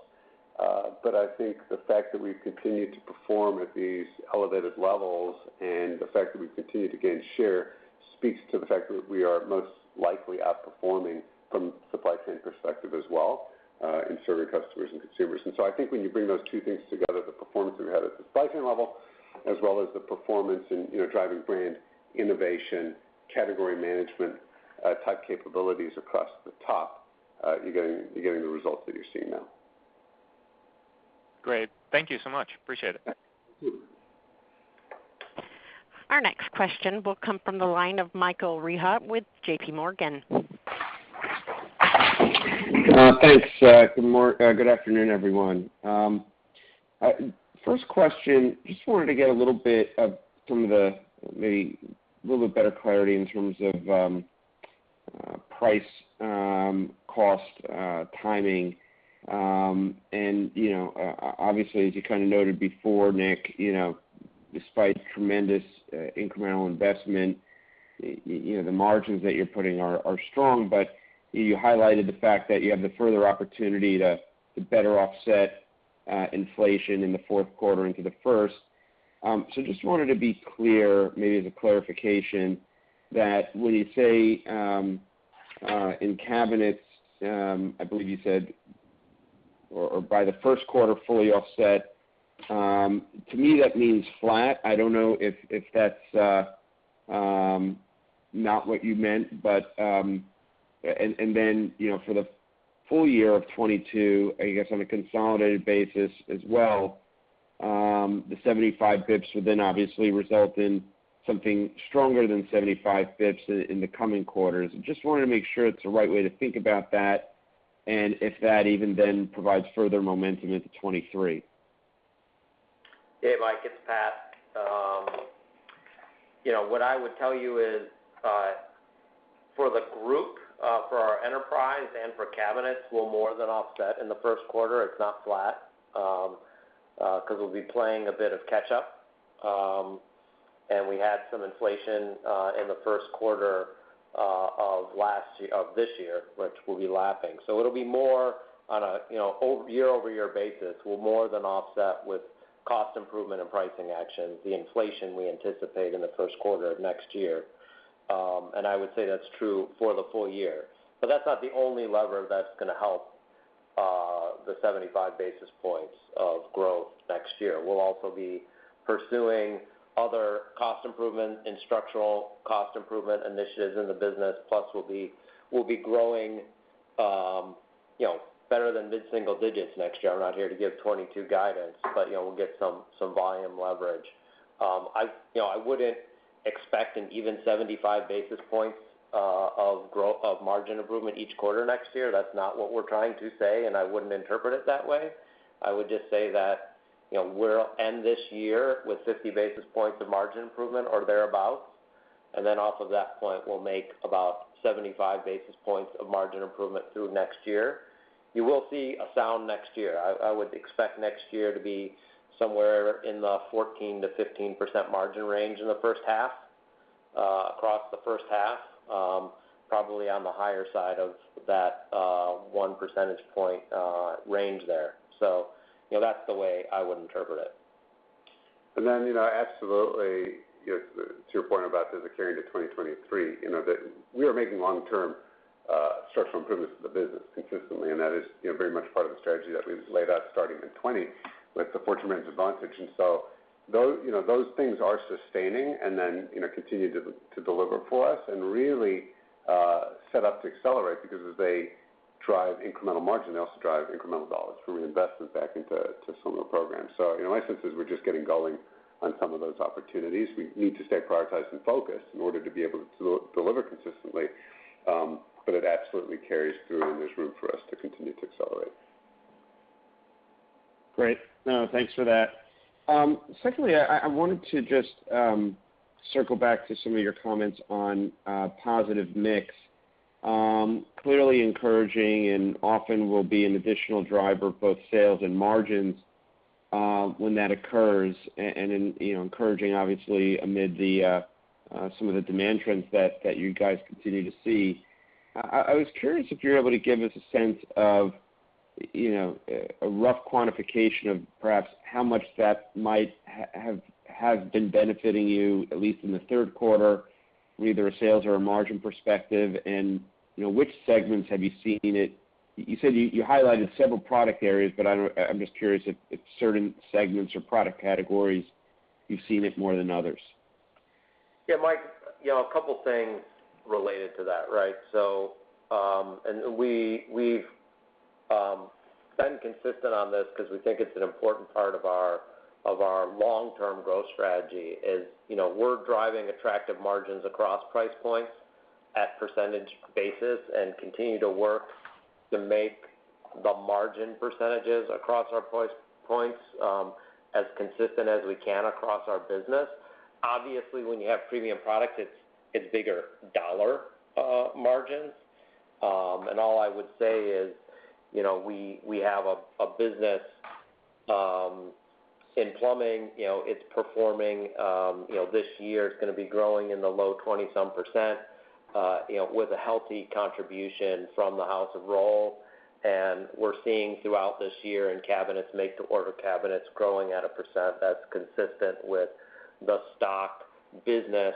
I think the fact that we've continued to perform at these elevated levels and the fact that we've continued to gain share speaks to the fact that we are most likely outperforming from supply chain perspective as well, in serving customers and consumers. I think when you bring those two things together, the performance that we had at the supply chain level as well as the performance in, you know, driving brand innovation, category management, type capabilities across the top, you're getting the results that you're seeing now. Great. Thank you so muc h. Appreciate it. Thank you. Our next question will come from the line of Michael Rehaut with JPMorgan. Thanks, good afternoon, everyone. First question, just wanted to get a little bit of some of the, maybe a little bit better clarity in terms of, price, cost, timing. You know, obviously, as you kind of noted before, Nick, you know, despite tremendous, incremental investment, you know, the margins that you're putting are strong. You highlighted the fact that you have the further opportunity to better offset, inflation in the fourth quarter into the first. Just wanted to be clear, maybe as a clarification, that when you say, in cabinets, I believe you said or by the first quarter fully offset, to me that means flat. I don't know if that's not what you meant, but. Then, you know, for the full year of 2022, I guess on a consolidated basis as well, the 75 basis points would then obviously result in something stronger than 75 basis points in the coming quarters. Just wanted to make sure it's the right way to think about that, and if that even then provides further momentum into 2023. Yeah, Mike, it's Pat. You know, what I would tell you is, for the group, for our enterprise and for cabinets, we'll more than offset in the first quarter. It's not flat, because we'll be playing a bit of catch up. We had some inflation in the first quarter of this year, which we'll be lapping. It'll be more on a year-over-year basis. We'll more than offset with cost improvement and pricing actions the inflation we anticipate in the first quarter of next year. I would say that's true for the full year. That's not the only lever that's going to help the 75 basis points of growth next year. We'll also be pursuing other cost improvement and structural cost improvement initiatives in the business, plus we'll be growing better than mid-single digits next year. I'm not here to give 2022 guidance, but we'll get some volume leverage. I wouldn't expect an even 75 basis points of margin improvement each quarter next year. That's not what we're trying to say, and I wouldn't interpret it that way. I would just say that we'll end this year with 50 basis points of margin improvement or thereabout. Then off of that point, we'll make about 75 basis points of margin improvement through next year. You will see a solid next year. I would expect next year to be somewhere in the 14%-15% margin range in the first half, across the first half, probably on the higher side of that, one percentage point, range there. You know, that's the way I would interpret it. You know, absolutely, you know, to your point about does it carry into 2023, you know, that we are making long-term structural improvements to the business consistently, and that is, you know, very much part of the strategy that we've laid out starting in 2020 with the Fortune Brands Advantage. You know, those things are sustaining and then continue to deliver for us and really set up to accelerate because as they drive incremental margin, they also drive incremental dollars for reinvestment back into some of the programs. You know, in my sense is we're just getting going on some of those opportunities. We need to stay prioritized and focused in order to be able to deliver consistently. It absolutely carries through, and there's room for us to continue to accelerate. Great. No, thanks for that. Secondly, I wanted to just circle back to some of your comments on positive mix. Clearly encouraging and often will be an additional driver of both sales and margins when that occurs. You know, encouraging obviously amid some of the demand trends that you guys continue to see. I was curious if you're able to give us a sense of a rough quantification of perhaps how much that might have been benefiting you, at least in the third quarter, from either a sale or a margin perspective and which segments have you seen it? You said you highlighted several product areas, but I'm just curious if certain segments or product categories you've seen it more than others. Yeah, Mike, you know, a couple things related to that, right. We've been consistent on this because we think it's an important part of our long-term growth strategy. You know, we're driving attractive margins across price points on a percentage basis and continue to work to make the margin percentages across our price points as consistent as we can across our business. Obviously, when you have premium products, it's bigger dollar margins. All I would say is, you know, we have a business in plumbing. You know, it's performing. You know, this year it's going to be growing in the low some 20%, with a healthy contribution from the House of Rohl. We're seeing throughout this year in cabinets, make to order cabinets growing at a percent that's consistent with the stock business.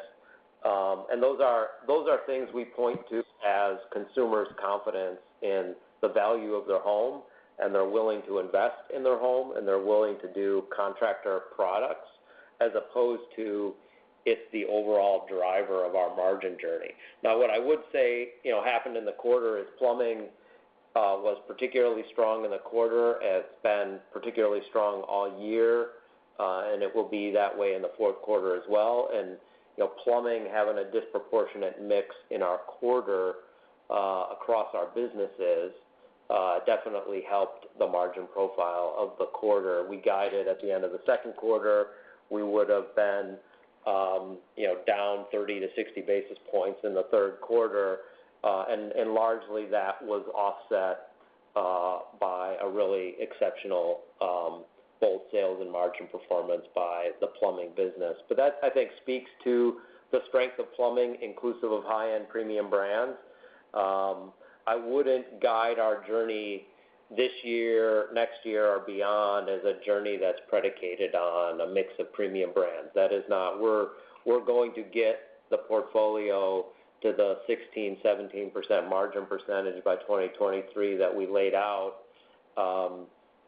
Those are things we point to as consumers' confidence in the value of their home, and they're willing to invest in their home, and they're willing to do contractor products as opposed to it's the overall driver of our margin journey. Now what I would say, you know, happened in the quarter is plumbing was particularly strong in the quarter. It's been particularly strong all year, and it will be that way in the fourth quarter as well. You know, plumbing having a disproportionate mix in our quarter across our businesses definitely helped the margin profile of the quarter. We guided at the end of the second quarter. We would've been, you know, down 30-60 basis points in the third quarter. Largely that was offset by a really exceptional both sales and margin performance by the plumbing business. That, I think, speaks to the strength of plumbing inclusive of high-end premium brands. I wouldn't guide our journey this year, next year or beyond as a journey that's predicated on a mix of premium brands. We're going to get the portfolio to the 16%-17% margin by 2023 that we laid out,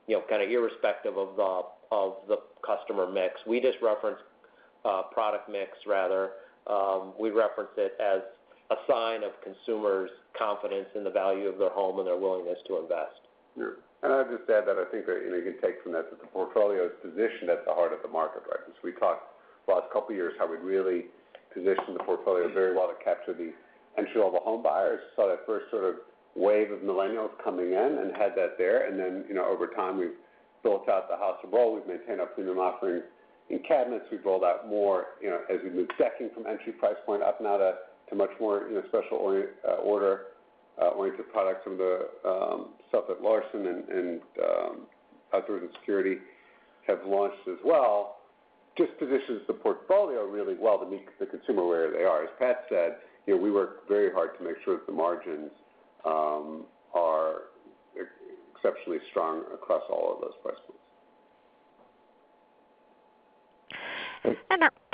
you know, kind of irrespective of the customer mix. We just reference product mix rather. We reference it as a sign of consumers' confidence in the value of their home and their willingness to invest. Sure. I'd just add that I think that, you know, you can take from that the portfolio is positioned at the heart of the market right now. We talked the last couple years how we'd really position the portfolio very well to capture the entry level home buyers. Saw that first sort of wave of millennials coming in and had that there. Then, you know, over time, we've built out the House of Rohl. We've maintained our premium offering in cabinets. We've rolled out more, you know, as we move decking from entry price point up now to much more, you know, special order oriented product from the stuff that LARSON and Outdoors & Security have launched as well, just positions the portfolio really well to meet the consumer where they are. As Pat said, you know, we work very hard to make sure that the margins are exceptionally strong across all of those price points.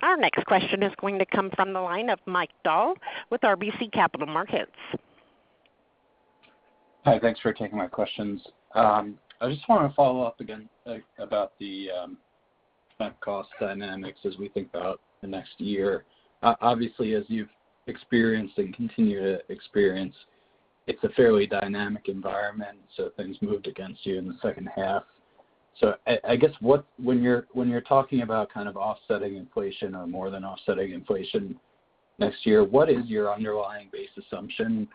Our next question is going to come from the line of Mike Dahl with RBC Capital Markets. Hi. Thanks for taking my questions. I just want to follow up again about the cost dynamics as we think about the next year. Obviously, as you've experienced and continue to experience, it's a fairly dynamic environment, so things moved against you in the second half. I guess, when you're talking about kind of offsetting inflation or more than offsetting inflation next year, what is your underlying base assumption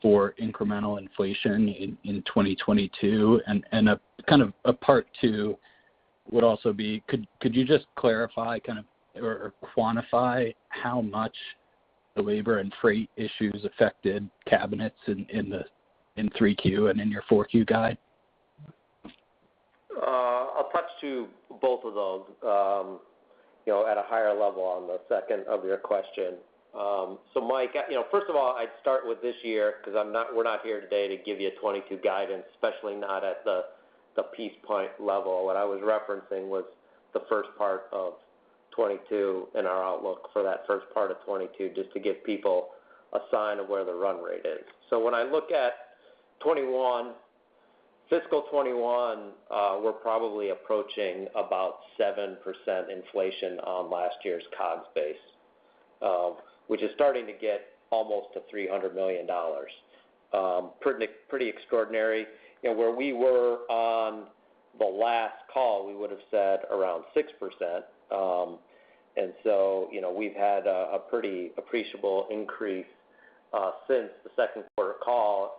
for incremental inflation in 2022? And kind of a part two would also be, could you just clarify or quantify how much the labor and freight issues affected cabinets in 3Q and in your 4Q guide? I'll touch on both of those, you know, at a higher level on the second of your question. So Mike, you know, first of all, I'd start with this year because we're not here today to give you a 2022 guidance, especially not at the P&L level. What I was referencing was the first part of 2022 and our outlook for that first part of 2022 just to give people a sense of where the run rate is. When I look at 2021, fiscal 2021, we're probably approaching about 7% inflation on last year's COGS base, which is starting to get almost to $300 million. Pretty extraordinary. You know, where we were on the last call, we would have said around 6%. You know, we've had a pretty appreciable increase since the second quarter call.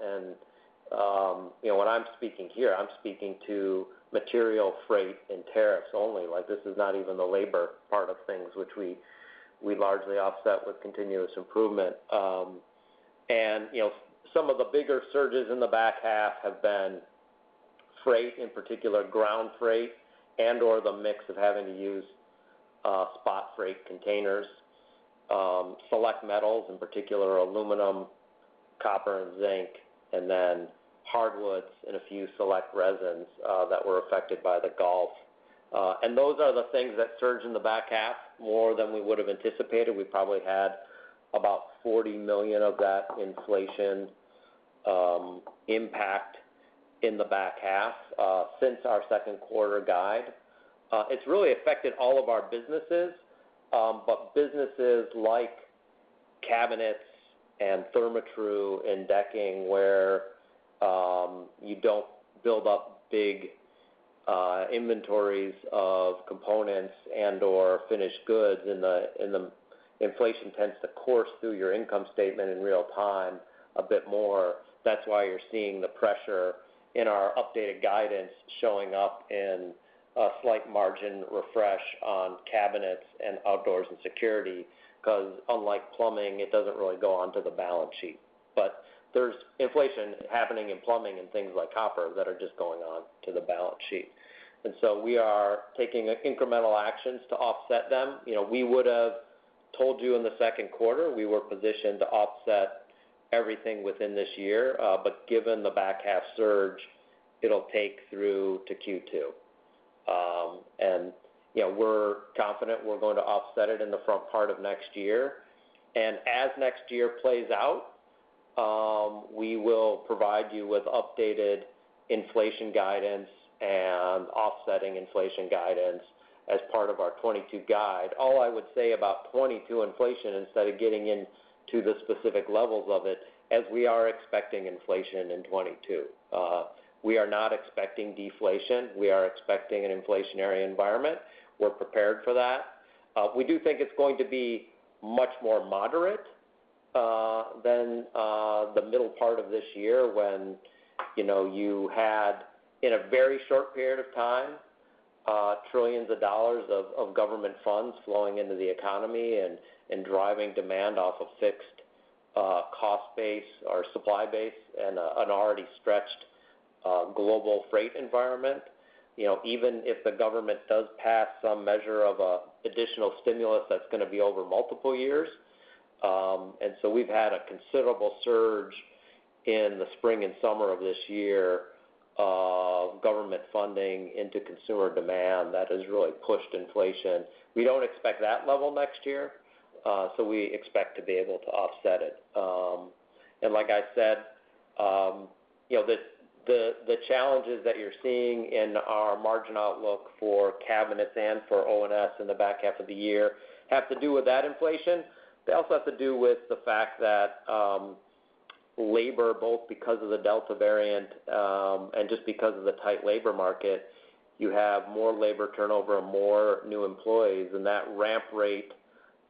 You know, when I'm speaking here, I'm speaking to material freight and tariffs only. Like, this is not even the labor part of things which we largely offset with continuous improvement. You know, some of the bigger surges in the back half have been freight, in particular ground freight, and/or the mix of having to use spot freight containers, select metals, in particular aluminum, copper and zinc, and then hardwoods and a few select resins that were affected by the Gulf. Those are the things that surged in the back half more than we would have anticipated. We probably had about $40 million of that inflation impact in the back half since our second quarter guide. It's really affected all of our businesses. Businesses like Cabinets and Therma-Tru and Decking, where you don't build up big inventories of components and/or finished goods. Inflation tends to course through your income statement in real time a bit more. That's why you're seeing the pressure in our updated guidance showing up in a slight margin refresh on Cabinets and Outdoors & Security because unlike Plumbing, it doesn't really go onto the balance sheet. There's inflation happening in Plumbing and things like copper that are just going on to the balance sheet. We are taking incremental actions to offset them. You know, we would have told you in the second quarter we were positioned to offset everything within this year. Given the back half surge, it'll take through to Q2. You know, we're confident we're going to offset it in the front part of next year. As next year plays out, we will provide you with updated inflation guidance and offsetting inflation guidance as part of our 2022 guide. All I would say about 2022 inflation instead of getting into the specific levels of it is we are expecting inflation in 2022. We are not expecting deflation. We are expecting an inflationary environment. We're prepared for that. We do think it's going to be much more moderate than the middle part of this year when, you know, you had, in a very short period of time, trillions of dollars of government funds flowing into the economy and driving demand off a fixed cost base or supply base and an already stretched global freight environment. You know, even if the government does pass some measure of additional stimulus, that's going to be over multiple years. We've had a considerable surge in the spring and summer of this year of government funding into consumer demand that has really pushed inflation. We don't expect that level next year, so we expect to be able to offset it. Like I said, you know, the challenges that you're seeing in our margin outlook for Cabinets and for O&S in the back half of the year have to do with that inflation. They also have to do with the fact that labor, both because of the Delta variant and just because of the tight labor market, you have more labor turnover and more new employees. That ramp rate,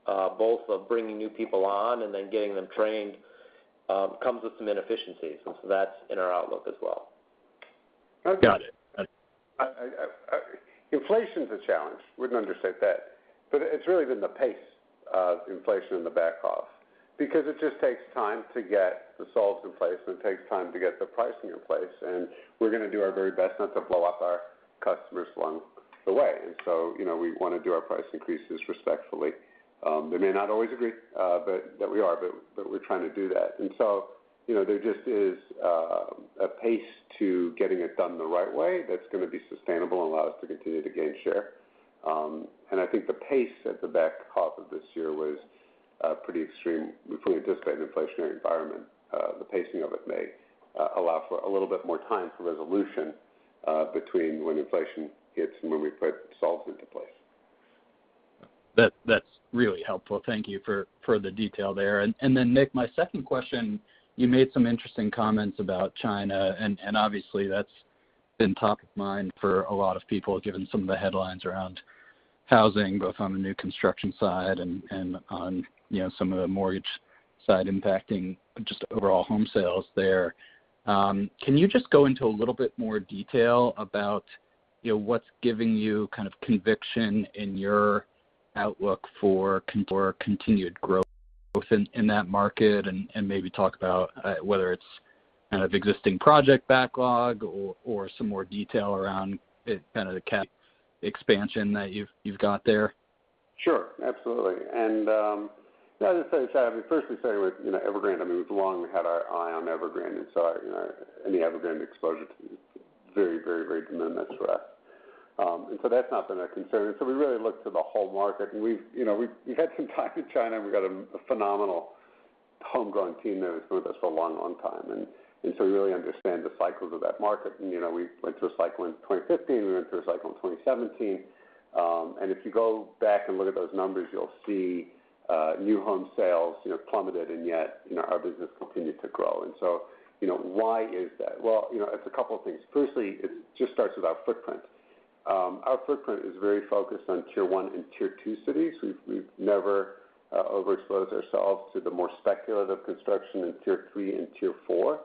both of bringing new people on and then getting them trained, comes with some inefficiencies. That's in our outlook as well. Got it. Okay. Inflation's a challenge. I wouldn't understate that, but it's really been the pace of inflation in the back half because it just takes time to get the solves in place, and it takes time to get the pricing in place. We're going to do our very best not to blow up our customers along the way. You know, we want to do our price increases respectfully. They may not always agree, but we're trying to do that. You know, there just is a pace to getting it done the right way that's going to be sustainable and allow us to continue to gain share. I think the pace at the back half of this year was a pretty extreme. We fully anticipate an inflationary environment. The pacing of it may allow for a little bit more time for resolution between when inflation hits and when we put solutions into place. That's really helpful. Thank you for the detail there. Nick, my second question, you made some interesting comments about China, and obviously, that's been top of mind for a lot of people, given some of the headlines around housing, both on the new construction side and on, you know, some of the mortgage side impacting just overall home sales there. Can you just go into a little bit more detail about, you know, what's giving you kind of conviction in your outlook for continued growth both in that market? Maybe talk about whether it's kind of existing project backlog or some more detail around it, kind of the cap expansion that you've got there. Sure. Absolutely. I mean, first with Evergrande, I mean, we had our eye on Evergrande for a long time. You know, any Evergrande exposure is very, very minimal in that space. That's not been a concern. We really look to the whole market, and we've you know we had some time in China. We got a phenomenal homegrown team there who's been with us for a long time. We really understand the cycles of that market. You know, we went through a cycle in 2015. We went through a cycle in 2017. If you go back and look at those numbers, you'll see new home sales plummeted, and yet our business continued to grow. Why is that? Well, you know, it's a couple of things. Firstly, it just starts with our footprint. Our footprint is very focused on Tier 1 and Tier 2 cities. We've never overexposed ourselves to the more speculative construction in Tier 3 and Tier 4,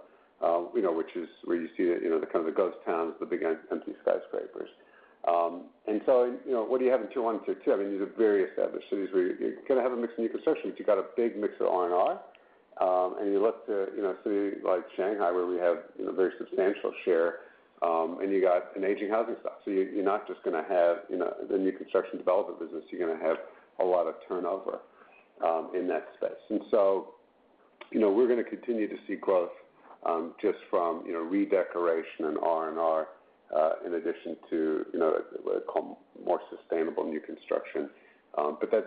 you know, which is where you see the kind of ghost towns, the big empty skyscrapers. What do you have in Tier 1, Tier 2? I mean, these are very established cities where you kind of have a mix and you can search it. You got a big mix of R&R. You look to a city like Shanghai where we have very substantial share, and you got an aging housing stock. You're not just going to have, you know, the new construction development business, you're going to have a lot of turnovers in that space. You know, we're going to continue to see growth just from, you know, redecoration and R&R in addition to, you know, what I call more sustainable new construction. That's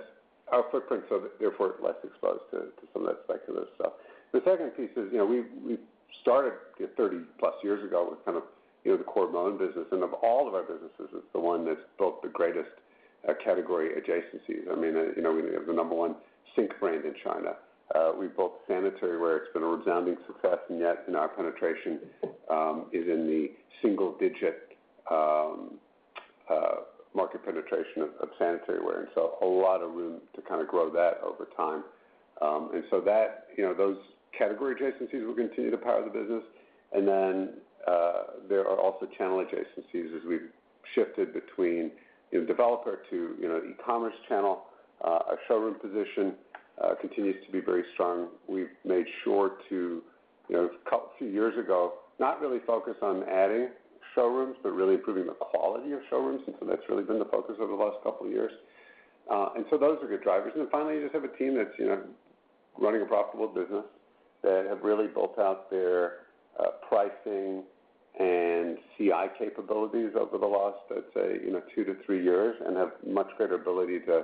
our footprint, so therefore less exposed to some of that speculative stuff. The second piece is, you know, we've started 30-plus years ago with kind of, you know, the core Moen business, and of all of our businesses, it's the one that's built the greatest category adjacencies. I mean, you know, we have the number one sink brand in China. We've built sanitary ware. It's been a resounding success, and yet, you know, our penetration is in the single digit market penetration of sanitary ware, and so a lot of room to kind of grow that over time. That, you know, those category adjacencies will continue to power the business. There are also channel adjacencies as we've shifted between, you know, developer to, you know, e-commerce channel. Our showroom position continues to be very strong. We've made sure to, you know, a few years ago, not really focus on adding showrooms, but really improving the quality of showrooms. That's really been the focus over the last couple of years. Those are good drivers. Finally, you just have a team that's, you know, running a profitable business that have really built out their pricing and CI capabilities over the last, I'd say, you know, 2 years-3 years, and have much greater ability to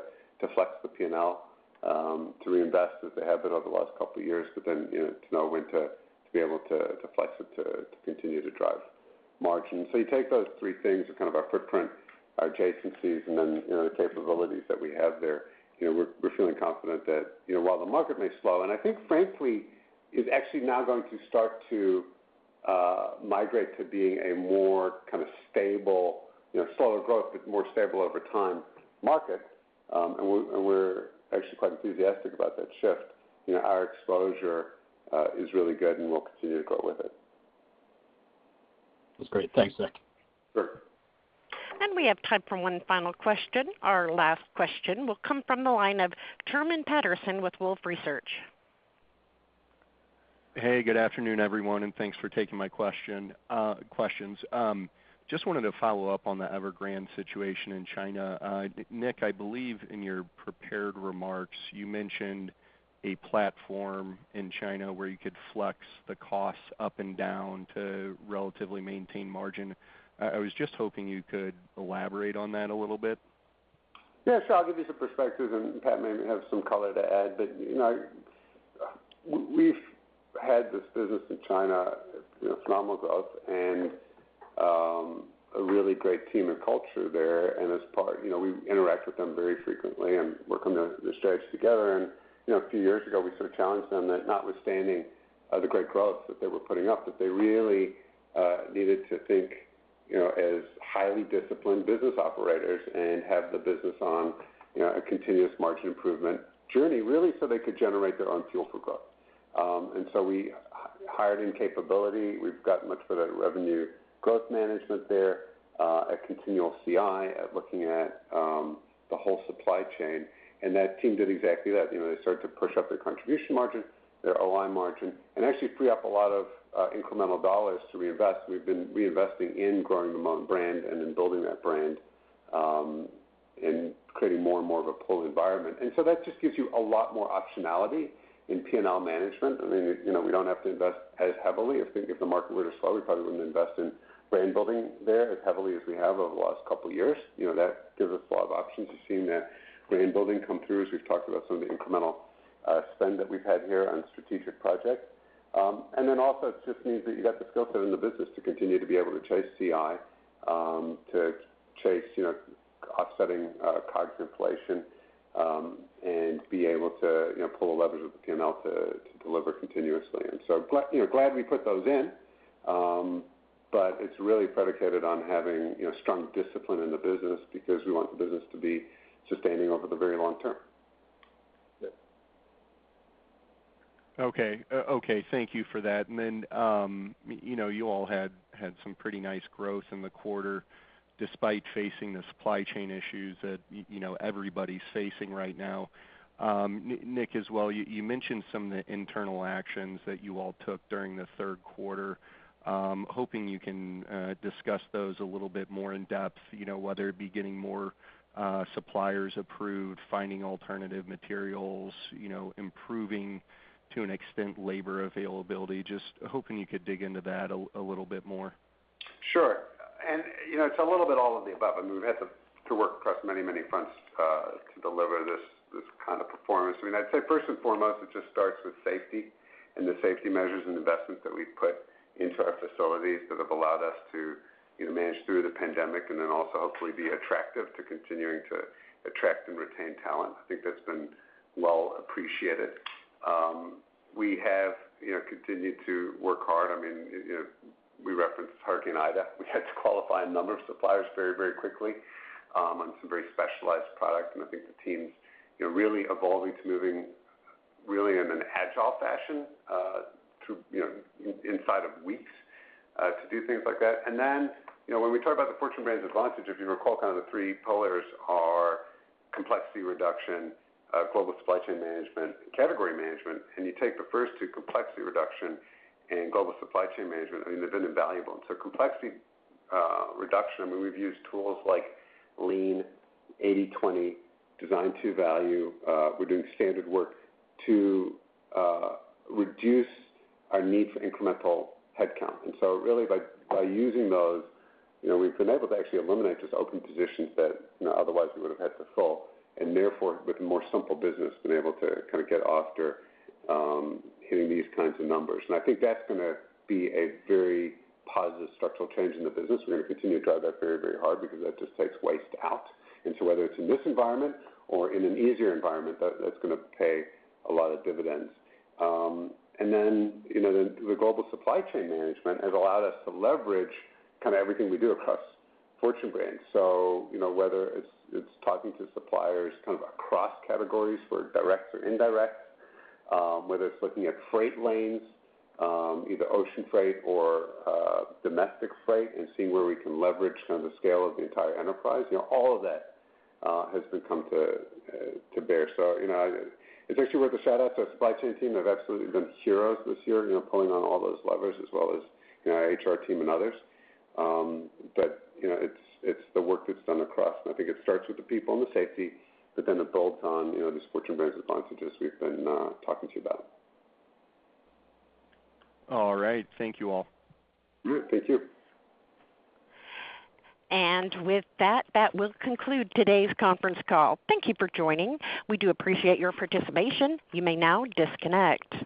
flex the P&L to reinvest as they have been over the last couple of years, but then, you know, to know when to be able to flex it to continue to drive margin. You take those three things as kind of our footprint, our adjacencies, and then, you know, the capabilities that we have there. You know, we're feeling confident that, you know, while the market may slow, and I think frankly, is actually now going to start to migrate to being a more kind of stable, you know, slower growth but more stable over time market. We're actually quite enthusiastic about that shift. You know, our exposure is really good and we'll continue to grow with it. That's great. Thanks, Nick. Sure. We have time for one final question. Our last question will come from the line of Truman Patterson with Wolfe Research. Hey, good afternoon, everyone, and thanks for taking my question, questions. Just wanted to follow up on the Evergrande situation in China. Nick, I believe in your prepared remarks, you mentioned a platform in China where you could flex the costs up and down to relatively maintain margin. I was just hoping you could elaborate on that a little bit. Yeah, sure. I'll give you some perspective, and Pat may have some color to add. You know, we've had this business in China, you know, phenomenal growth and a really great team and culture there. As part, you know, we interact with them very frequently and work on the strategies together. You know, a few years ago, we sort of challenged them that notwithstanding the great growth that they were putting up, that they really needed to think, you know, as highly disciplined business operators and have the business on, you know, a continuous margin improvement journey, really so they could generate their own fuel for growth. We hired in capability. We've gotten much better at revenue growth management there, at continual CI at looking at the whole supply chain. That team did exactly that. You know, they started to push up their contribution margin, their OI margin, and actually free up a lot of incremental dollars to reinvest. We've been reinvesting in growing the Moen brand and in building that brand and creating more and more of a pull environment. That just gives you a lot more optionality in P&L management. I mean, you know, we don't have to invest as heavily. If the market were to slow, we probably wouldn't invest in brand building there as heavily as we have over the last couple of years. You know, that gives us a lot of options. We've seen the brand building come through as we've talked about some of the incremental spend that we've had here on strategic projects. Then also it just means that you got the skill set in the business to continue to be able to chase CI, to chase offsetting COGS inflation, and be able to pull the levers of the P&L to deliver continuously. You know, glad we put those in. It's really predicated on having, you know, strong discipline in the business because we want the business to be sustaining over the very long term. Okay. Then, you know, you all had some pretty nice growth in the quarter despite facing the supply chain issues that, you know, everybody's facing right now. Nick as well, you mentioned some of the internal actions that you all took during the third quarter. Hoping you can discuss those a little bit more in depth, you know, whether it be getting more suppliers approved, finding alternative materials, you know, improving to an extent labor availability. Just hoping you could dig into that a little bit more. Sure. You know, it's a little bit all of the above. I mean, we've had to work across many fronts to deliver this kind of performance. I mean, I'd say first and foremost, it just starts with safety and the safety measures and investments that we've put into our facilities that have allowed us to manage through the pandemic and then also hopefully be attractive to continuing to attract and retain talent. I think that's been well appreciated. We have continued to work hard. I mean, we referenced Hurricane Ida. We had to qualify a number of suppliers very quickly on some very specialized products. I think the team's really evolving to moving really in an agile fashion to inside of weeks to do things like that. You know, when we talk about the Fortune Brands Advantage, if you recall, kind of the three pillars are complexity reduction, global supply chain management, and category management. You take the first two, complexity reduction and global supply chain management. I mean, they've been invaluable. Complexity reduction, I mean, we've used tools like lean, 80/20, design to value. We're doing standard work to reduce our need for incremental headcount. Really by using those, you know, we've been able to actually eliminate just open positions that, you know, otherwise we would have had to fill. With a simpler business, been able to kind of get after hitting these kinds of numbers. I think that's going to be a very positive structural change in the business. We're going to continue to drive that very, very hard because that just takes waste out into whether it's in this environment or in an easier environment. That's going to pay a lot of dividends. You know, the global supply chain management has allowed us to leverage kind of everything we do across Fortune Brands. You know whether it's talking to suppliers' kind of across categories for direct or indirect, whether it's looking at freight lanes, either ocean freight or domestic freight and seeing where we can leverage kind of the scale of the entire enterprise. You know, all of that has come to bear. You know, it's actually worth a shout-out to our supply chain team. They've absolutely been heroes this year, you know, pulling on all those levers as well as, you know, our HR team and others. You know, it's the work that's done across, and I think it starts with the people and the safety, but then it builds on, you know, these Fortune Brands advantages we've been talking to you about. All right. Thank you all. Yeah. Thank you. With that will conclude today's conference call. Thank you for joining. We do appreciate your participation. You may now disconnect.